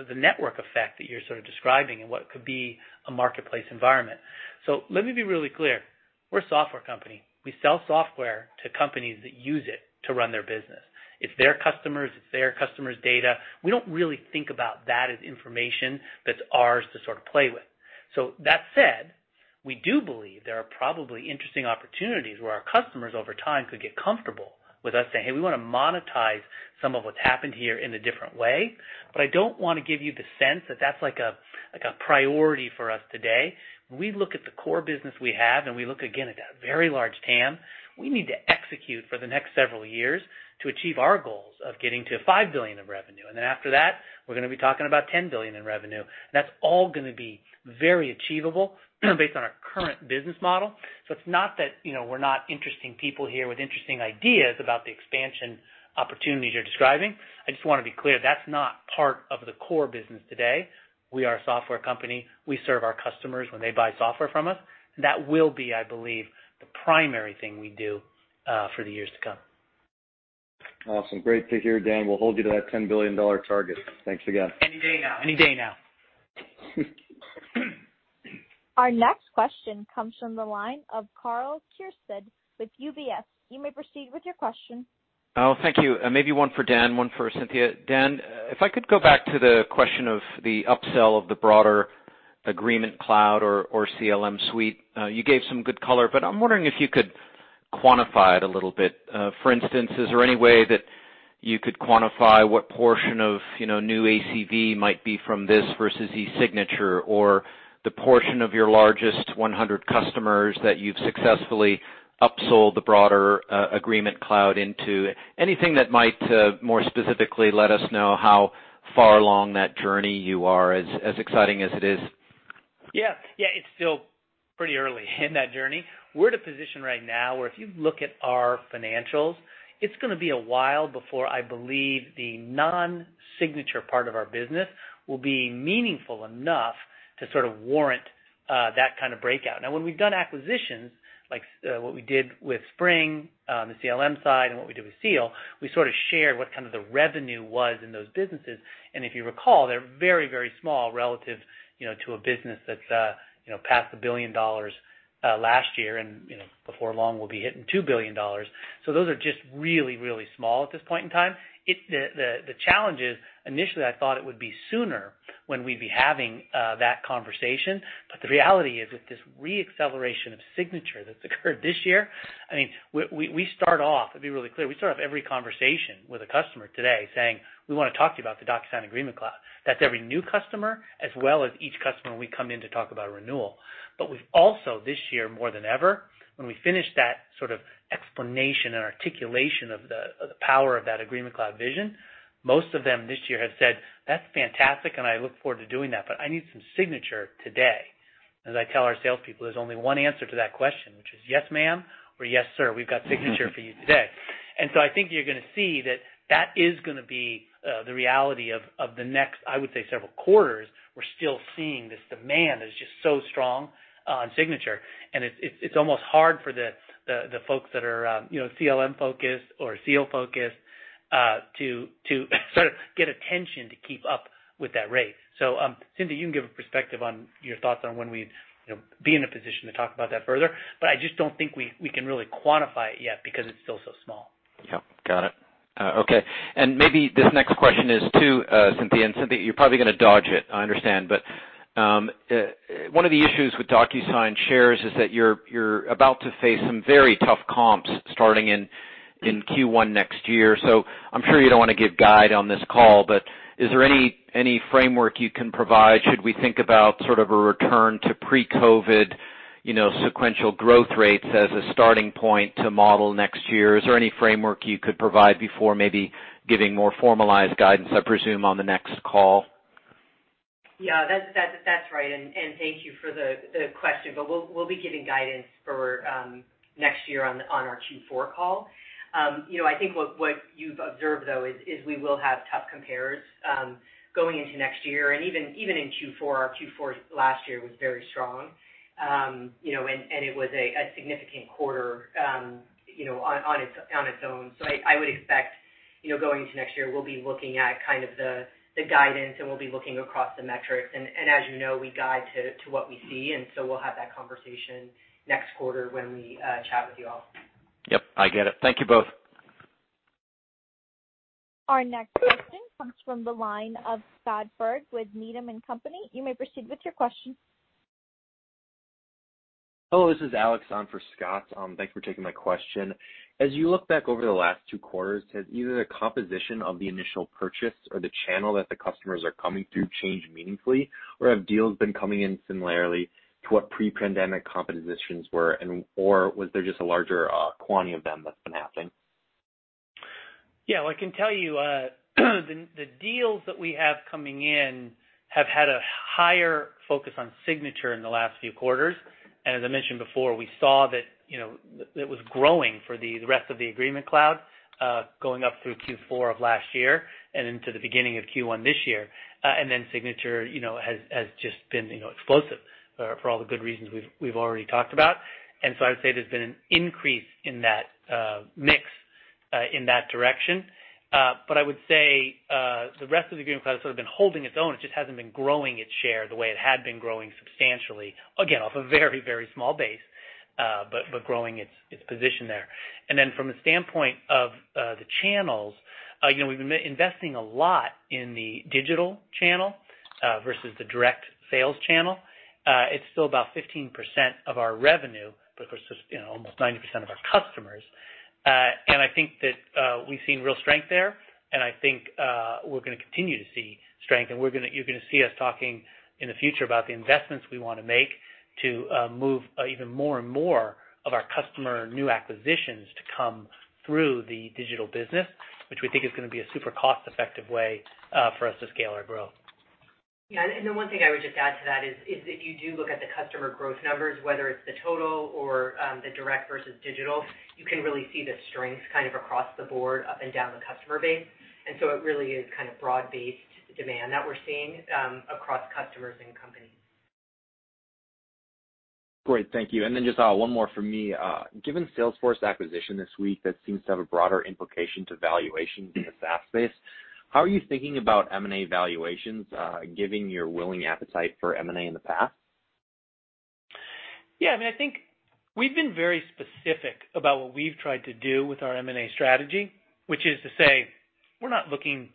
the network effect that you're sort of describing and what could be a marketplace environment. Let me be really clear. We're a software company. We sell software to companies that use it to run their business. It's their customers, it's their customers' data. We don't really think about that as information that's ours to sort of play with. That said, we do believe there are probably interesting opportunities where our customers over time could get comfortable with us saying, "Hey, we want to monetize some of what's happened here in a different way." I don't want to give you the sense that that's like a priority for us today. When we look at the core business we have, and we look again at that very large TAM, we need to execute for the next several years to achieve our goals of getting to $5 billion of revenue. After that, we're going to be talking about $10 billion in revenue. That's all going to be very achievable based on our current business model. It's not that we're not interesting people here with interesting ideas about the expansion opportunities you're describing. I just want to be clear, that's not part of the core business today. We are a software company. We serve our customers when they buy software from us. That will be, I believe, the primary thing we do for the years to come. Awesome. Great to hear, Dan. We'll hold you to that $10 billion target. Thanks again. Any day now. Any day now. Our next question comes from the line of Karl Keirstead with UBS. You may proceed with your question. Oh, thank you. Maybe one for Dan, one for Cynthia. Dan, if I could go back to the question of the upsell of the broader Agreement Cloud or CLM suite. You gave some good color, but I'm wondering if you could quantify it a little bit. For instance, is there any way that you could quantify what portion of new ACV might be from this versus eSignature, or the portion of your largest 100 customers that you've successfully upsold the broader Agreement Cloud into? Anything that might more specifically let us know how far along that journey you are, as exciting as it is? Yeah. It's still pretty early in that journey. We're at a position right now where if you look at our financials, it's going to be a while before I believe the non-Signature part of our business will be meaningful enough to sort of warrant that kind of breakout. When we've done acquisitions, like what we did with Spring, the CLM side, and what we did with Seal, we sort of shared what kind of the revenue was in those businesses. If you recall, they're very, very small relative to a business that's past $1 billion last year, and before long, we'll be hitting $2 billion. Those are just really, really small at this point in time. The challenge is, initially, I thought it would be sooner when we'd be having that conversation. The reality is, with this re-acceleration of Signature that's occurred this year, to be really clear, we start off every conversation with a customer today saying, "We want to talk to you about the DocuSign Agreement Cloud." That's every new customer as well as each customer we come in to talk about a renewal. We've also, this year more than ever, when we finish that sort of explanation and articulation of the power of that Agreement Cloud vision, most of them this year have said, "That's fantastic, and I look forward to doing that, but I need some Signature today." As I tell our salespeople, there's only one answer to that question, which is, "Yes, ma'am," or, "Yes, sir, we've got Signature for you today." And so I think you're going to see that that is going to be the reality of the next, I would say, several quarters. We're still seeing this demand that is just so strong on Signature, and it's almost hard for the folks that are CLM-focused or Seal-focused to sort of get attention to keep up with that rate. Cynthia, you can give a perspective on your thoughts on when we'd be in a position to talk about that further. I just don't think we can really quantify it yet because it's still so small. Yeah. Got it. Okay. Maybe this next question is to Cynthia, and Cynthia, you're probably going to dodge it, I understand. One of the issues with DocuSign shares is that you're about to face some very tough comps starting in Q1 next year. I'm sure you don't want to give guide on this call, but is there any framework you can provide? Should we think about sort of a return to pre-COVID sequential growth rates as a starting point to model next year? Is there any framework you could provide before maybe giving more formalized guidance, I presume, on the next call? Yeah. That's right, and thank you for the question. We'll be giving guidance for next year on our Q4 call. I think what you've observed, though, is we will have tough comparables going into next year. Even in Q4, our Q4 last year was very strong, and it was a significant quarter on its own. I would expect, going into next year, we'll be looking at the guidance, and we'll be looking across the metrics. As you know, we guide to what we see, we'll have that conversation next quarter when we chat with you all. Yep. I get it. Thank you both. Our next question comes from the line of Scott Berg with Needham & Company. You may proceed with your question. Hello, this is Alex on for Scott. Thanks for taking my question. As you look back over the last two quarters, has either the composition of the initial purchase or the channel that the customers are coming through changed meaningfully, or have deals been coming in similarly to what pre-pandemic compositions were, or was there just a larger quantity of them that's been happening? Well, I can tell you the deals that we have coming in have had a higher focus on Signature in the last few quarters. As I mentioned before, we saw that it was growing for the rest of the Agreement Cloud, going up through Q4 of last year and into the beginning of Q1 this year. Signature has just been explosive for all the good reasons we've already talked about. I would say there's been an increase in that mix in that direction. I would say the rest of the Agreement Cloud has sort of been holding its own. It just hasn't been growing its share the way it had been growing substantially. Again, off a very, very small base, but growing its position there. From the standpoint of the channels, we've been investing a lot in the digital channel versus the direct sales channel. It's still about 15% of our revenue, but for almost 90% of our customers. I think that we've seen real strength there, and I think we're going to continue to see strength, and you're going to see us talking in the future about the investments we want to make to move even more and more of our customer new acquisitions to come through the digital business, which we think is going to be a super cost-effective way for us to scale our growth. Yeah, the one thing I would just add to that is if you do look at the customer growth numbers, whether it is the total or the direct versus digital, you can really see the strengths kind of across the board, up and down the customer base. It really is kind of broad-based demand that we are seeing across customers and companies. Great. Thank you. Just one more from me. Given Salesforce acquisition this week, that seems to have a broader implication to valuation in the SaaS space, how are you thinking about M&A valuations, given your willing appetite for M&A in the past? I think we've been very specific about what we've tried to do with our M&A strategy, which is to say we're not looking,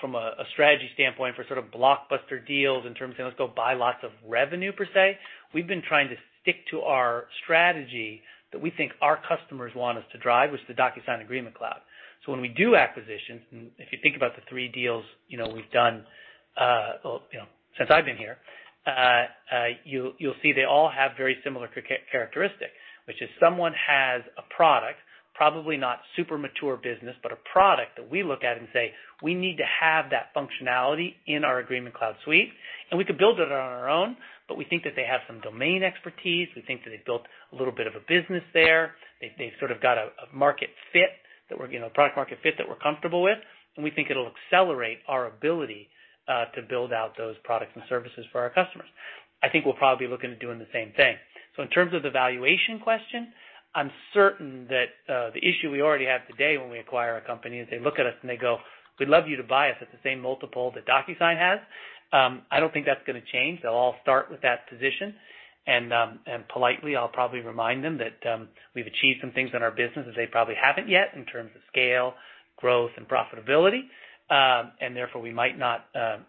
from a strategy standpoint, for sort of blockbuster deals in terms of saying, "Let's go buy lots of revenue," per se. We've been trying to stick to our strategy that we think our customers want us to drive, which is the DocuSign Agreement Cloud. When we do acquisitions, and if you think about the three deals we've done since I've been here, you'll see they all have very similar characteristics, which is someone has a product, probably not super mature business, but a product that we look at and say, "We need to have that functionality in our Agreement Cloud suite." We could build it on our own. We think that they have some domain expertise. We think that they've built a little bit of a business there. They've sort of got a product market fit that we're comfortable with, and we think it'll accelerate our ability to build out those products and services for our customers. I think we'll probably be looking at doing the same thing. In terms of the valuation question, I'm certain that the issue we already have today when we acquire a company is they look at us and they go, "We'd love you to buy us at the same multiple that DocuSign has." I don't think that's going to change. They'll all start with that position, and politely, I'll probably remind them that we've achieved some things in our business that they probably haven't yet in terms of scale, growth, and profitability. Therefore, we might not, as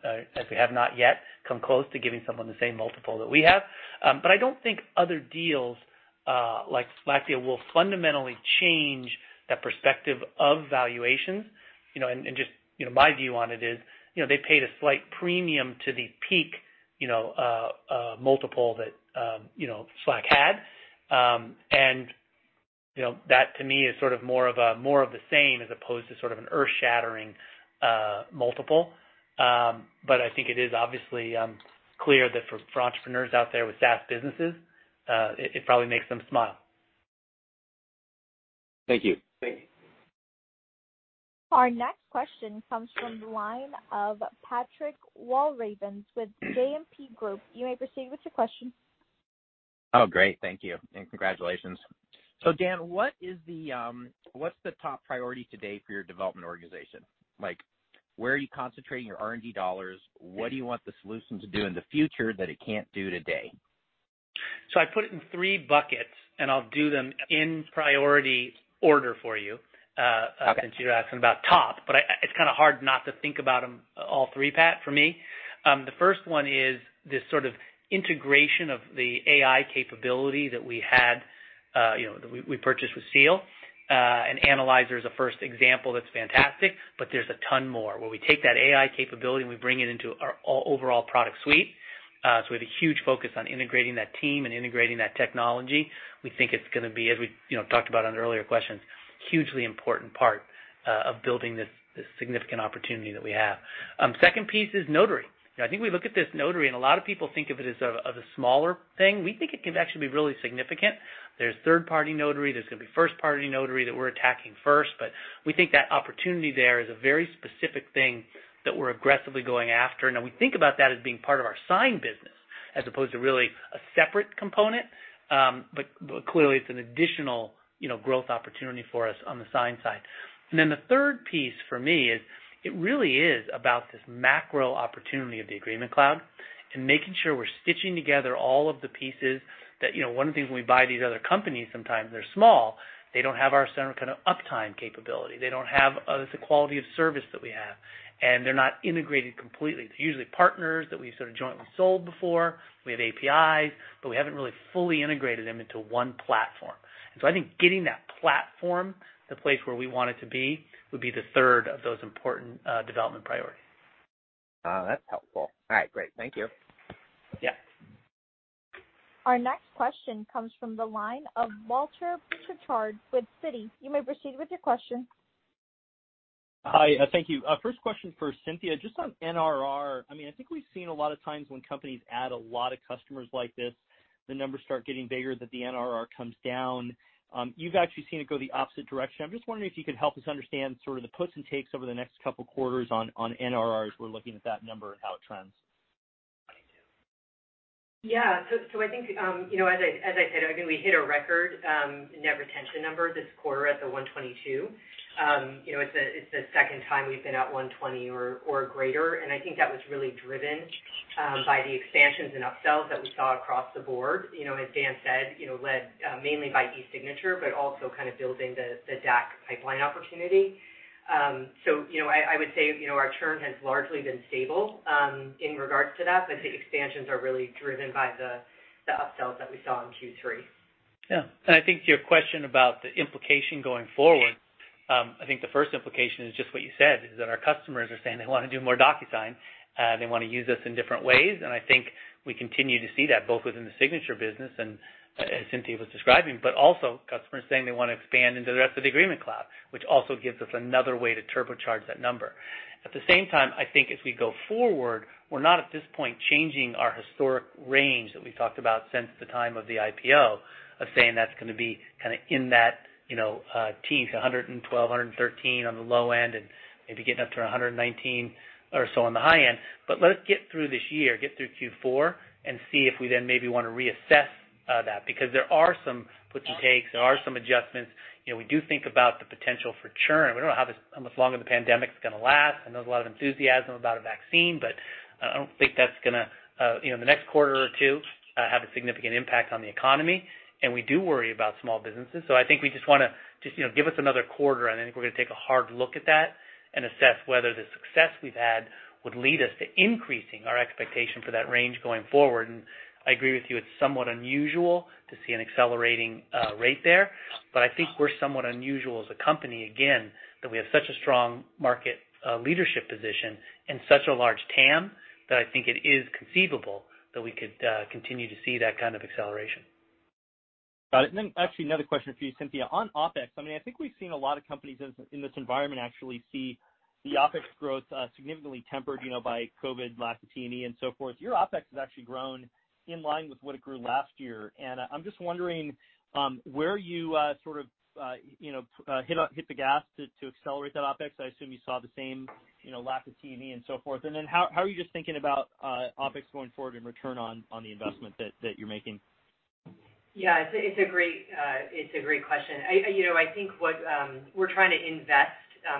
we have not yet come close to giving someone the same multiple that we have. I don't think other deals like Slack will fundamentally change that perspective of valuations. Just my view on it is, they paid a slight premium to the peak multiple that Slack had. That to me is sort of more of the same as opposed to sort of an earth-shattering multiple. I think it is obviously clear that for entrepreneurs out there with SaaS businesses, it probably makes them smile. Thank you. Thank you. Our next question comes from the line of Patrick Walravens with JMP Group. You may proceed with your question. Oh, great. Thank you, and congratulations. Dan, what's the top priority today for your development organization? Where are you concentrating your R&D dollars? What do you want the solution to do in the future that it can't do today? I put it in three buckets, and I'll do them in priority order for you. Okay. You're asking about top, but it's kind of hard not to think about them all three, Pat, for me. The first one is this sort of integration of the AI capability that we purchased with Seal, and Analyzer is a first example that's fantastic, but there's a ton more, where we take that AI capability and we bring it into our overall product suite. We have a huge focus on integrating that team and integrating that technology. We think it's going to be, as we talked about on the earlier questions, hugely important part of building this significant opportunity that we have. Second piece is Notary. I think we look at this Notary, and a lot of people think of it as of a smaller thing. We think it can actually be really significant. There's third-party Notary, there's going to be first-party Notary that we're attacking first, but we think that opportunity there is a very specific thing that we're aggressively going after. We think about that as being part of our Sign business as opposed to really a separate component. Clearly, it's an additional growth opportunity for us on the Sign side. The third piece for me is, it really is about this macro opportunity of the Agreement Cloud and making sure we're stitching together all of the pieces that, one of the things when we buy these other companies, sometimes they're small, they don't have our same kind of uptime capability. They don't have the quality of service that we have, and they're not integrated completely. It's usually partners that we've sort of jointly sold before. We have APIs, but we haven't really fully integrated them into one platform. I think getting that platform to the place where we want it to be would be the third of those important development priorities. Oh, that's helpful. All right, great. Thank you. Yeah. Our next question comes from the line of Walter Pritchard with Citi. You may proceed with your question. Hi. Thank you. First question for Cynthia, just on NRR. I think we've seen a lot of times when companies add a lot of customers like this, the numbers start getting bigger, that the NRR comes down. You've actually seen it go the opposite direction. I'm just wondering if you could help us understand sort of the puts and takes over the next couple of quarters on NRR as we're looking at that number and how it trends. Yeah. I think, as I said, again, we hit a record net retention number this quarter at the 122. It's the second time we've been at 120 or greater, and I think that was really driven by the expansions and upsells that we saw across the board. As Dan said, led mainly by eSignature, but also kind of building the DAC pipeline opportunity. I would say our churn has largely been stable in regards to that, but the expansions are really driven by the upsells that we saw in Q3. Yeah. I think to your question about the implication going forward, I think the first implication is just what you said, is that our customers are saying they want to do more DocuSign. They want to use us in different ways. I think we continue to see that both within the Signature business and as Cynthia was describing, but also customers saying they want to expand into the rest of the Agreement Cloud, which also gives us another way to turbocharge that number. At the same time, I think as we go forward, we're not at this point changing our historic range that we've talked about since the time of the IPO, of saying that's going to be kind of in that teens 112, 113 on the low end, and maybe getting up to 119 or so on the high end. Let's get through this year, get through Q4, and see if we then maybe want to reassess that, because there are some puts and takes. There are some adjustments. We do think about the potential for churn. We don't know how much longer the pandemic is going to last. I know there's a lot of enthusiasm about a vaccine, but I don't think that's going to, in the next quarter or two, have a significant impact on the economy. We do worry about small businesses. I think we just want to just give us another quarter, and I think we're going to take a hard look at that and assess whether the success we've had would lead us to increasing our expectation for that range going forward. I agree with you, it's somewhat unusual to see an accelerating rate there. I think we're somewhat unusual as a company, again, that we have such a strong market leadership position and such a large TAM, that I think it is conceivable that we could continue to see that kind of acceleration. Got it. Actually another question for you, Cynthia. On OpEx, I think we've seen a lot of companies in this environment actually see the OpEx growth significantly tempered by COVID, lack of T&E and so forth. Your OpEx has actually grown in line with what it grew last year. I'm just wondering where you sort of hit the gas to accelerate that OpEx. I assume you saw the same lack of T&E and so forth. How are you just thinking about OpEx going forward and return on the investment that you're making? It's a great question. I think what we're trying to invest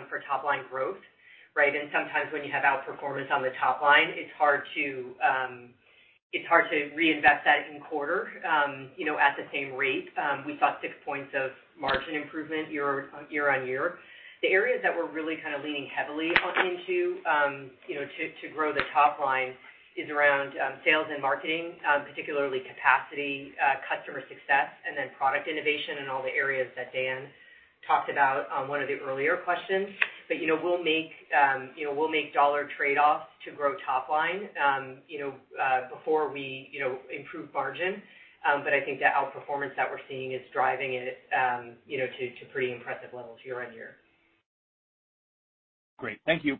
for top-line growth, right? Sometimes when you have outperformance on the top-line, it's hard to reinvest that in quarter at the same rate. We saw six points of margin improvement year-on-year. The areas that we're really kind of leaning heavily into to grow the top-line is around sales and marketing, particularly capacity, customer success, and then product innovation in all the areas that Dan talked about on one of the earlier questions. We'll make dollar trade-offs to grow top-line before we improve margin. I think the outperformance that we're seeing is driving it to pretty impressive levels year-on-year. Great. Thank you.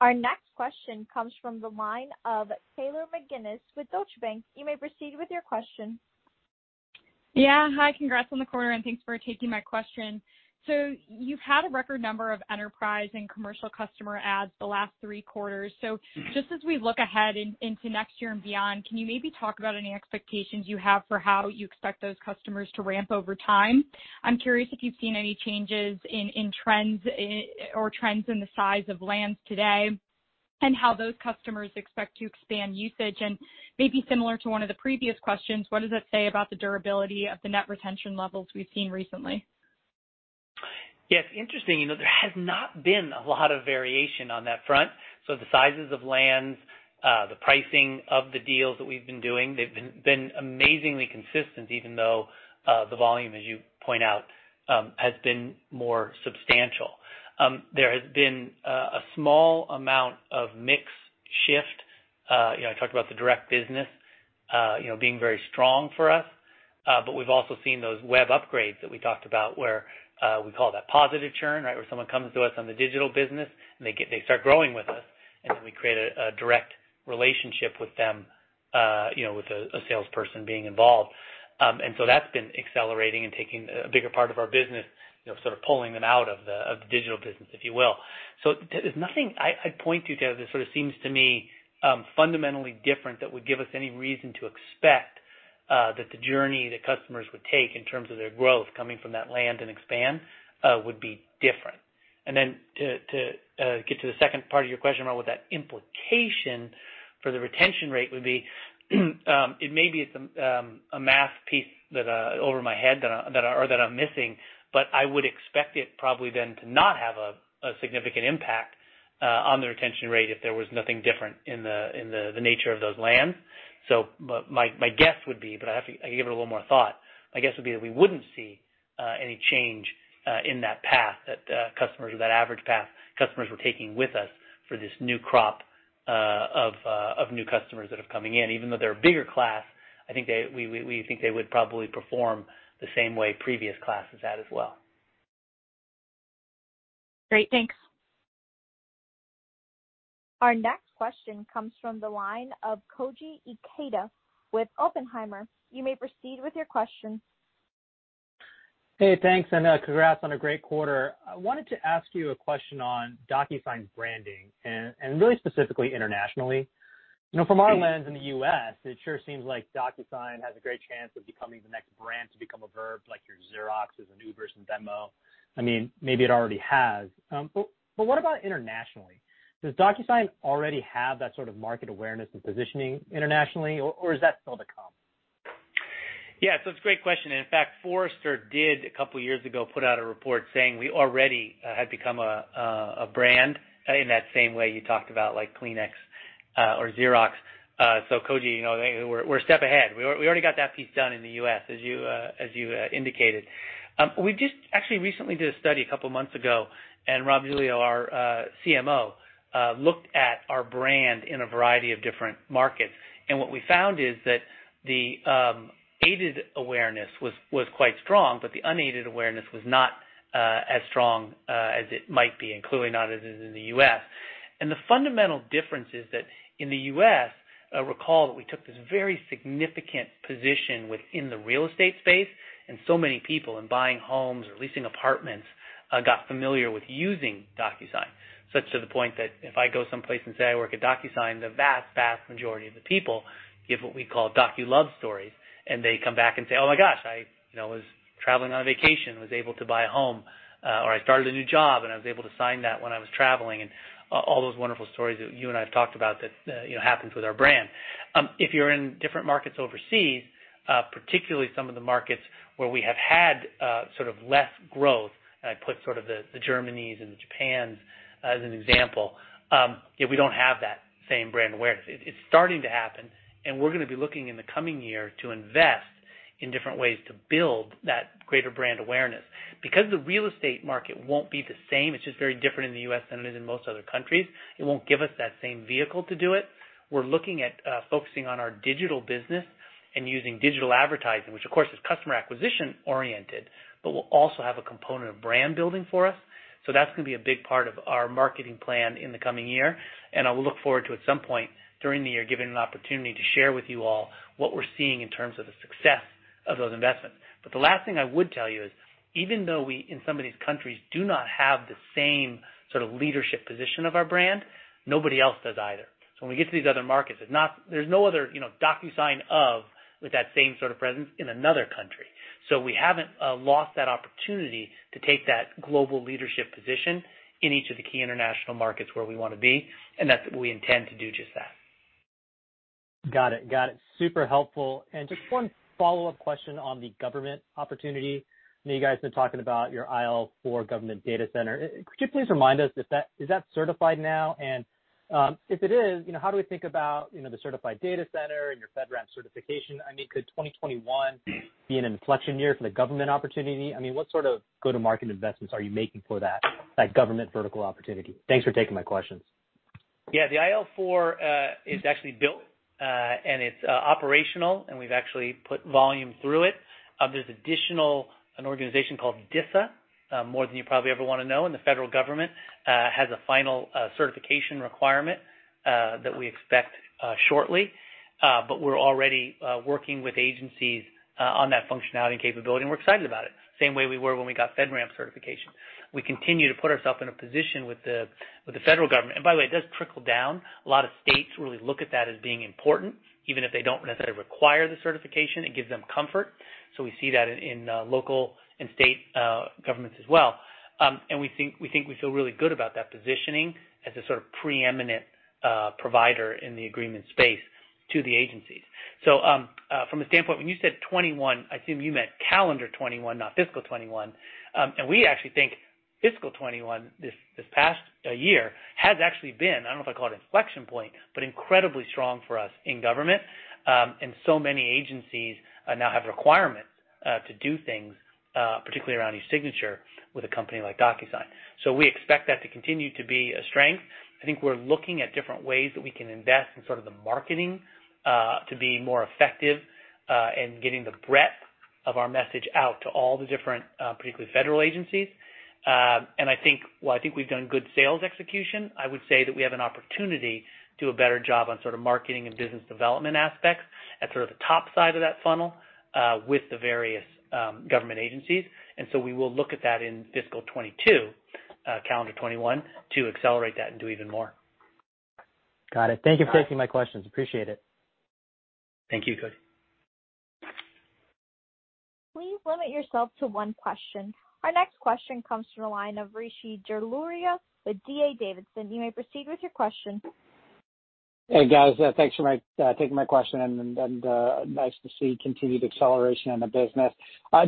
Our next question comes from the line of Taylor McGinnis with Deutsche Bank. You may proceed with your question. Yeah. Hi. Congrats on the quarter, and thanks for taking my question. You've had a record number of enterprise and commercial customer adds the last three quarters. Just as we look ahead into next year and beyond, can you maybe talk about any expectations you have for how you expect those customers to ramp over time? I'm curious if you've seen any changes in trends or trends in the size of lands today, and how those customers expect to expand usage. Maybe similar to one of the previous questions, what does that say about the durability of the net retention levels we've seen recently? Yeah, it's interesting. There has not been a lot of variation on that front. The sizes of lands, the pricing of the deals that we've been doing, they've been amazingly consistent, even though the volume, as you point out, has been more substantial. There has been a small amount of mix shift. I talked about the direct business being very strong for us. We've also seen those web upgrades that we talked about, where we call that positive churn, right? Where someone comes to us on the digital business, and they start growing with us, and then we create a direct relationship with them, with a salesperson being involved. That's been accelerating and taking a bigger part of our business, sort of pulling them out of the digital business, if you will. There's nothing I'd point to, Taylor, that sort of seems to me fundamentally different that would give us any reason to expect that the journey that customers would take in terms of their growth coming from that land and expand would be different. Then to get to the second part of your question about what that implication for the retention rate would be, it may be it's a math piece over my head that I'm missing, but I would expect it probably then to not have a significant impact on the retention rate if there was nothing different in the nature of those lands. My guess would be, but I have to give it a little more thought. My guess would be that we wouldn't see any change in that path, that average path customers were taking with us for this new crop of new customers that are coming in. Even though they're a bigger class, we think they would probably perform the same way previous classes had as well. Great. Thanks. Our next question comes from the line of Koji Ikeda with Oppenheimer. You may proceed with your question. Hey, thanks, congrats on a great quarter. I wanted to ask you a question on DocuSign's branding, really specifically internationally. From our lens in the U.S., it sure seems like DocuSign has a great chance of becoming the next brand to become a verb like your Xerox's as a new versus demo. Maybe it already has. What about internationally? Does DocuSign already have that sort of market awareness and positioning internationally, or is that still to come? Yeah. It's a great question, and in fact, Forrester did a couple of years ago put out a report saying we already had become a brand in that same way you talked about like Kleenex or Xerox. Koji, we're a step ahead. We already got that piece done in the U.S., as you indicated. We just actually recently did a study a couple of months ago, and Rob Giglio, our CMO, looked at our brand in a variety of different markets. What we found is that aided awareness was quite strong, but the unaided awareness was not as strong as it might be, including not as it is in the U.S. The fundamental difference is that in the U.S., recall that we took this very significant position within the real estate space, and so many people in buying homes or leasing apartments got familiar with using DocuSign. Such to the point that if I go someplace and say I work at DocuSign, the vast majority of the people give what we call Docu love stories, and they come back and say, "Oh my gosh, I was traveling on vacation, was able to buy a home," or, "I started a new job, and I was able to sign that when I was traveling." All those wonderful stories that you and I have talked about that happens with our brand. If you're in different markets overseas, particularly some of the markets where we have had sort of less growth, I put sort of the Germanys and the Japans as an example, we don't have that same brand awareness. It's starting to happen, we're going to be looking in the coming year to invest in different ways to build that greater brand awareness. The real estate market won't be the same, it's just very different in the U.S. than it is in most other countries, it won't give us that same vehicle to do it. We're looking at focusing on our digital business and using digital advertising, which of course, is customer acquisition-oriented, but will also have a component of brand building for us. That's going to be a big part of our marketing plan in the coming year, and I will look forward to, at some point during the year, given an opportunity to share with you all what we're seeing in terms of the success of those investments. The last thing I would tell you is, even though we, in some of these countries, do not have the same sort of leadership position of our brand, nobody else does either. When we get to these other markets, there's no other DocuSign with that same sort of presence in another country. We haven't lost that opportunity to take that global leadership position in each of the key international markets where we want to be, and that's what we intend to do just that. Got it. Super helpful. Just one follow-up question on the government opportunity. I know you guys have been talking about your IL4 government data center. Could you please remind us, is that certified now? If it is, how do we think about the certified data center and your FedRAMP certification? Could 2021 be an inflection year for the government opportunity? What sort of go-to-market investments are you making for that government vertical opportunity? Thanks for taking my questions. Yeah, the IL4 is actually built, and it's operational, and we've actually put volume through it. There's additional, an organization called DISA, more than you probably ever want to know in the federal government, has a final certification requirement that we expect shortly. We're already working with agencies on that functionality and capability, and we're excited about it, same way we were when we got FedRAMP certification. We continue to put ourselves in a position with the federal government. By the way, it does trickle down. A lot of states really look at that as being important. Even if they don't necessarily require the certification, it gives them comfort. We see that in local and state governments as well. We think we feel really good about that positioning as a sort of preeminent provider in the agreement space to the agencies. From a standpoint, when you said 2021, I assume you meant calendar 2021, not fiscal 2021. We actually think fiscal 2021, this past year, has actually been, I don't know if I'd call it inflection point, but incredibly strong for us in government. Many agencies now have requirements to do things, particularly around eSignature, with a company like DocuSign. We expect that to continue to be a strength. I think we're looking at different ways that we can invest in sort of the marketing to be more effective, and getting the breadth of our message out to all the different, particularly federal agencies. While I think we've done good sales execution, I would say that we have an opportunity to do a better job on sort of marketing and business development aspects at sort of the top side of that funnel with the various government agencies. We will look at that in fiscal 2022, calendar 2021, to accelerate that and do even more. Got it. Thank you for taking my questions. Appreciate it. Thank you, Koji. Please limit yourself to one question. Our next question comes from the line of Rishi Jaluria with D.A. Davidson. You may proceed with your question. Hey, guys. Thanks for taking my question. Nice to see continued acceleration on the business.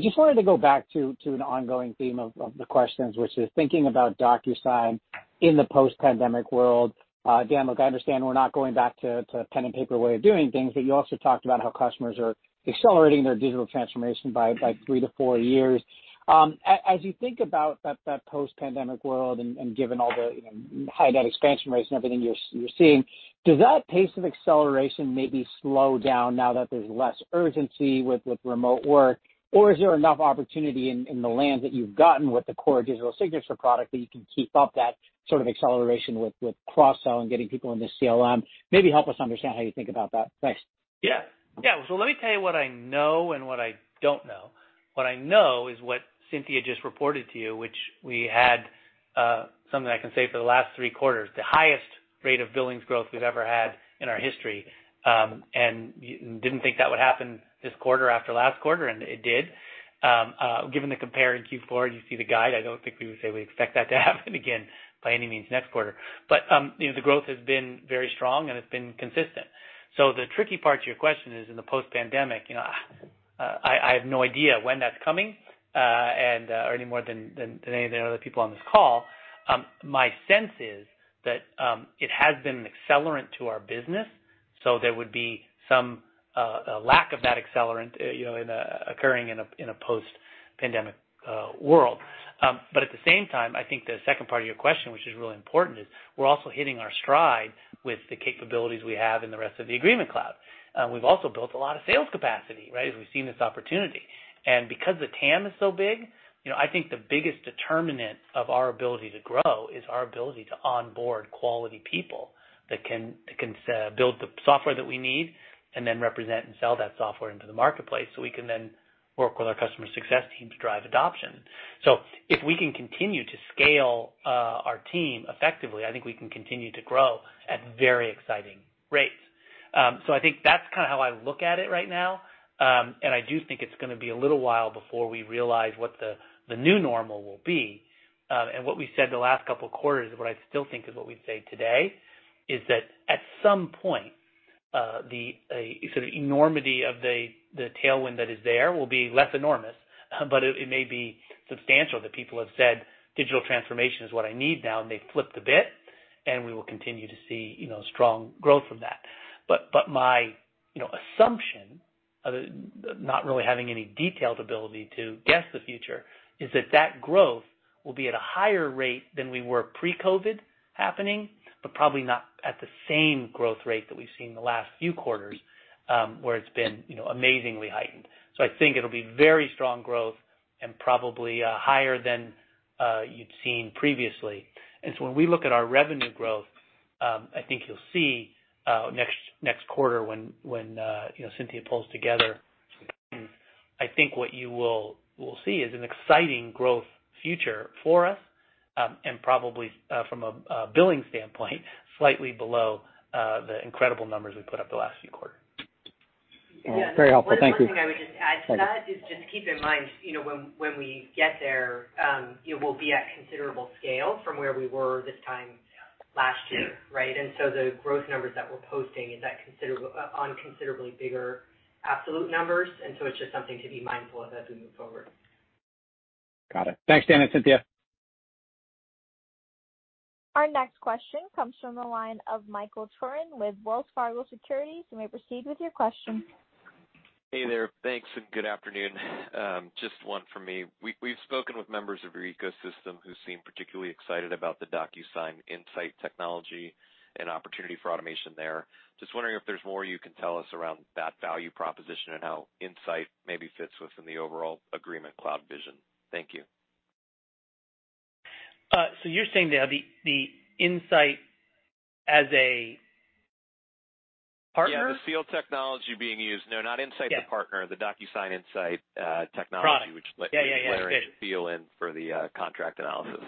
Just wanted to go back to an ongoing theme of the questions, which is thinking about DocuSign in the post-pandemic world. Dan, look, I understand we're not going back to pen and paper way of doing things. You also talked about how customers are accelerating their digital transformation by three to four years. As you think about that post-pandemic world and given all the high net expansion rates and everything you're seeing, does that pace of acceleration maybe slow down now that there's less urgency with remote work? Is there enough opportunity in the land that you've gotten with the core digital signature product that you can keep up that sort of acceleration with cross-sell and getting people in this CLM? Maybe help us understand how you think about that. Thanks. Yeah. Let me tell you what I know and what I don't know. What I know is what Cynthia just reported to you, which we had something I can say for the last three quarters, the highest rate of billings growth we've ever had in our history, and didn't think that would happen this quarter after last quarter, and it did. Given the compare in Q4, and you see the guide, I don't think we would say we expect that to happen again by any means next quarter. The growth has been very strong, and it's been consistent. The tricky part to your question is in the post-pandemic, I have no idea when that's coming, or any more than any of the other people on this call. My sense is that it has been an accelerant to our business, so there would be some lack of that accelerant occurring in a post-pandemic world. At the same time, I think the second part of your question, which is really important, is we're also hitting our stride with the capabilities we have in the rest of the Agreement Cloud. We've also built a lot of sales capacity as we've seen this opportunity. Because the TAM is so big, I think the biggest determinant of our ability to grow is our ability to onboard quality people that can build the software that we need and then represent and sell that software into the marketplace, so we can then work with our customer success team to drive adoption. If we can continue to scale our team effectively, I think we can continue to grow at very exciting rates. I think that's kind of how I look at it right now. I do think it's going to be a little while before we realize what the new normal will be. What we said the last couple of quarters, and what I still think is what we'd say today, is that at some point, the enormity of the tailwind that is there will be less enormous, but it may be substantial, that people have said, "Digital transformation is what I need now," and they've flipped a bit, and we will continue to see strong growth from that. My assumption, not really having any detailed ability to guess the future, is that that growth will be at a higher rate than we were pre-COVID-19 happening, but probably not at the same growth rate that we've seen in the last few quarters, where it's been amazingly heightened. I think it'll be very strong growth and probably higher than you'd seen previously. When we look at our revenue growth, I think you'll see next quarter when Cynthia pulls together, I think what you will see is an exciting growth future for us, and probably from a billing standpoint, slightly below the incredible numbers we put up the last few quarters. Very helpful. Thank you. One more thing I would just add to that is just keep in mind, when we get there, it will be at considerable scale from where we were this time last year, right? The growth numbers that we're posting is on considerably bigger absolute numbers, and so it's just something to be mindful of as we move forward. Got it. Thanks, Dan and Cynthia. Our next question comes from the line of Michael Turrin with Wells Fargo Securities. You may proceed with your question. Hey there. Thanks, and good afternoon. Just one from me. We've spoken with members of your ecosystem who seem particularly excited about the DocuSign Insight technology and opportunity for automation there. Just wondering if there's more you can tell us around that value proposition and how Insight maybe fits within the overall Agreement Cloud vision. Thank you. You're saying there, the Insight as a partner? Yeah, the field technology being used. No, not Insight the partner, the DocuSign Insight technology. Product. Yeah Which lets you layer in the field in for the contract analysis.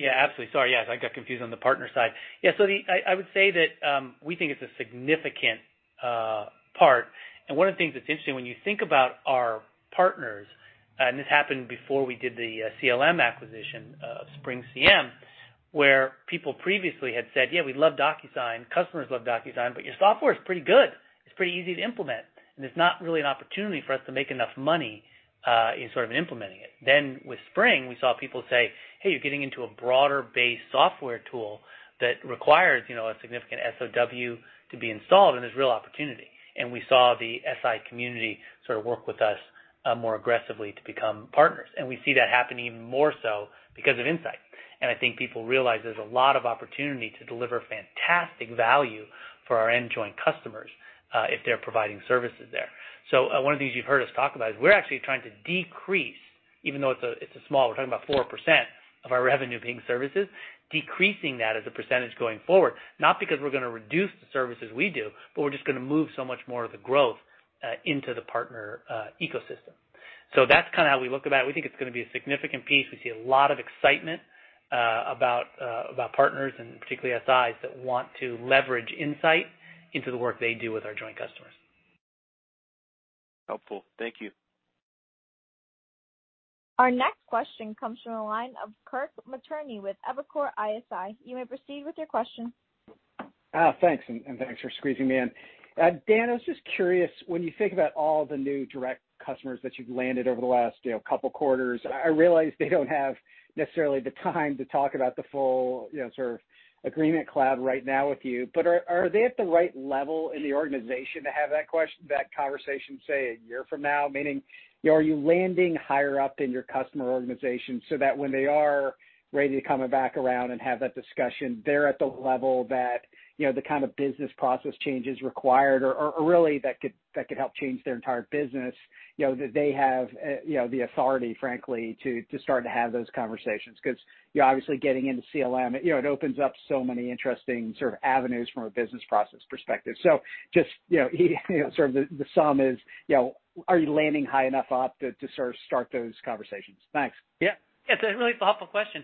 Absolutely. Sorry, yes. I got confused on the partner side. I would say that we think it's a significant part. One of the things that's interesting when you think about our partners, and this happened before we did the CLM acquisition of SpringCM, where people previously had said, "We love DocuSign. Customers love DocuSign, but your software is pretty good. It's pretty easy to implement, and it's not really an opportunity for us to make enough money in sort of implementing it." With Spring, we saw people say, "Hey, you're getting into a broader base software tool that requires a significant SOW to be installed, and there's real opportunity." We saw the SI community sort of work with us more aggressively to become partners. We see that happening even more so because of Insight. I think people realize there's a lot of opportunity to deliver fantastic value for our end joint customers if they're providing services there. One of the things you've heard us talk about is we're actually trying to decrease, even though it's small, we're talking about 4% of our revenue being services, decreasing that as a percentage going forward, not because we're going to reduce the services we do, but we're just going to move so much more of the growth into the partner ecosystem. That's kind of how we look about it. We think it's going to be a significant piece. We see a lot of excitement about partners and particularly SIs that want to leverage Insight into the work they do with our joint customers. Helpful. Thank you. Our next question comes from the line of Kirk Materne with Evercore ISI. You may proceed with your question. Thanks, and thanks for squeezing me in. Dan, I was just curious, when you think about all the new direct customers that you've landed over the last couple quarters, I realize they don't have necessarily the time to talk about the full sort of Agreement Cloud right now with you, but are they at the right level in the organization to have that conversation, say, a year from now? Meaning, are you landing higher up in your customer organization so that when they are ready to come back around and have that discussion, they're at the level that the kind of business process changes required or really that could help change their entire business, that they have the authority, frankly, to start to have those conversations? You're obviously getting into CLM, it opens up so many interesting sort of avenues from a business process perspective. Just the sum is, are you landing high enough up to sort of start those conversations? Thanks. Yeah. It's a really thoughtful question.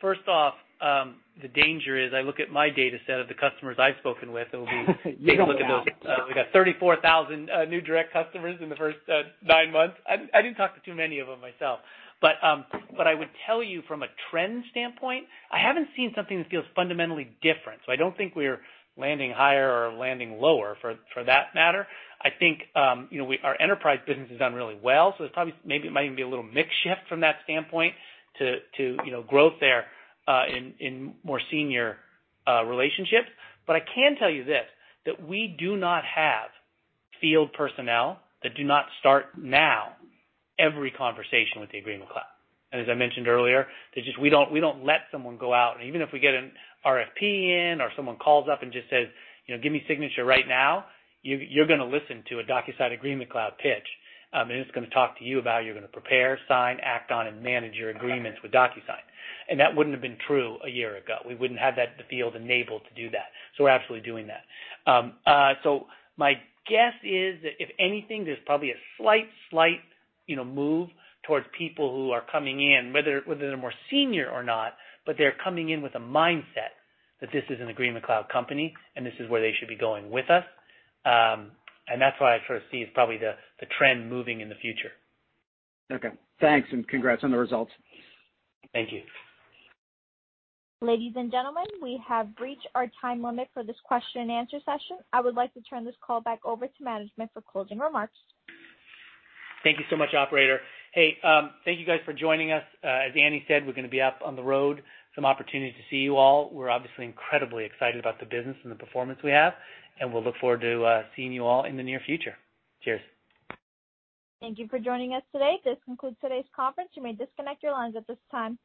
First off, the danger is I look at my data set of the customers I've spoken with. You don't have. We got 34,000 new direct customers in the first nine months. I didn't talk to too many of them myself. I would tell you from a trend standpoint, I haven't seen something that feels fundamentally different, so I don't think we're landing higher or landing lower for that matter. I think our enterprise business has done really well, so maybe it might even be a little mix shift from that standpoint to growth there in more senior relationships. I can tell you this, that we do not have field personnel that do not start now every conversation with the Agreement Cloud. As I mentioned earlier, we don't let someone go out, and even if we get an RFP in or someone calls up and just says, "Give me signature right now," you're going to listen to a DocuSign Agreement Cloud pitch, and it's going to talk to you about you're going to prepare, sign, act on, and manage your agreements with DocuSign. That wouldn't have been true a year ago. We wouldn't have the field enabled to do that. We're absolutely doing that. My guess is that if anything, there's probably a slight move towards people who are coming in, whether they're more senior or not, but they're coming in with a mindset that this is an Agreement Cloud company, and this is where they should be going with us. That's what I sort of see is probably the trend moving in the future. Okay. Thanks. Congrats on the results. Thank you. Ladies and gentlemen, we have reached our time limit for this question and answer session. I would like to turn this call back over to management for closing remarks. Thank you so much, operator. Hey, thank you guys for joining us. As Annie said, we're going to be up on the road, some opportunities to see you all. We're obviously incredibly excited about the business and the performance we have, and we'll look forward to seeing you all in the near future. Cheers. Thank you for joining us today. This concludes today's conference. You may disconnect your lines at this time.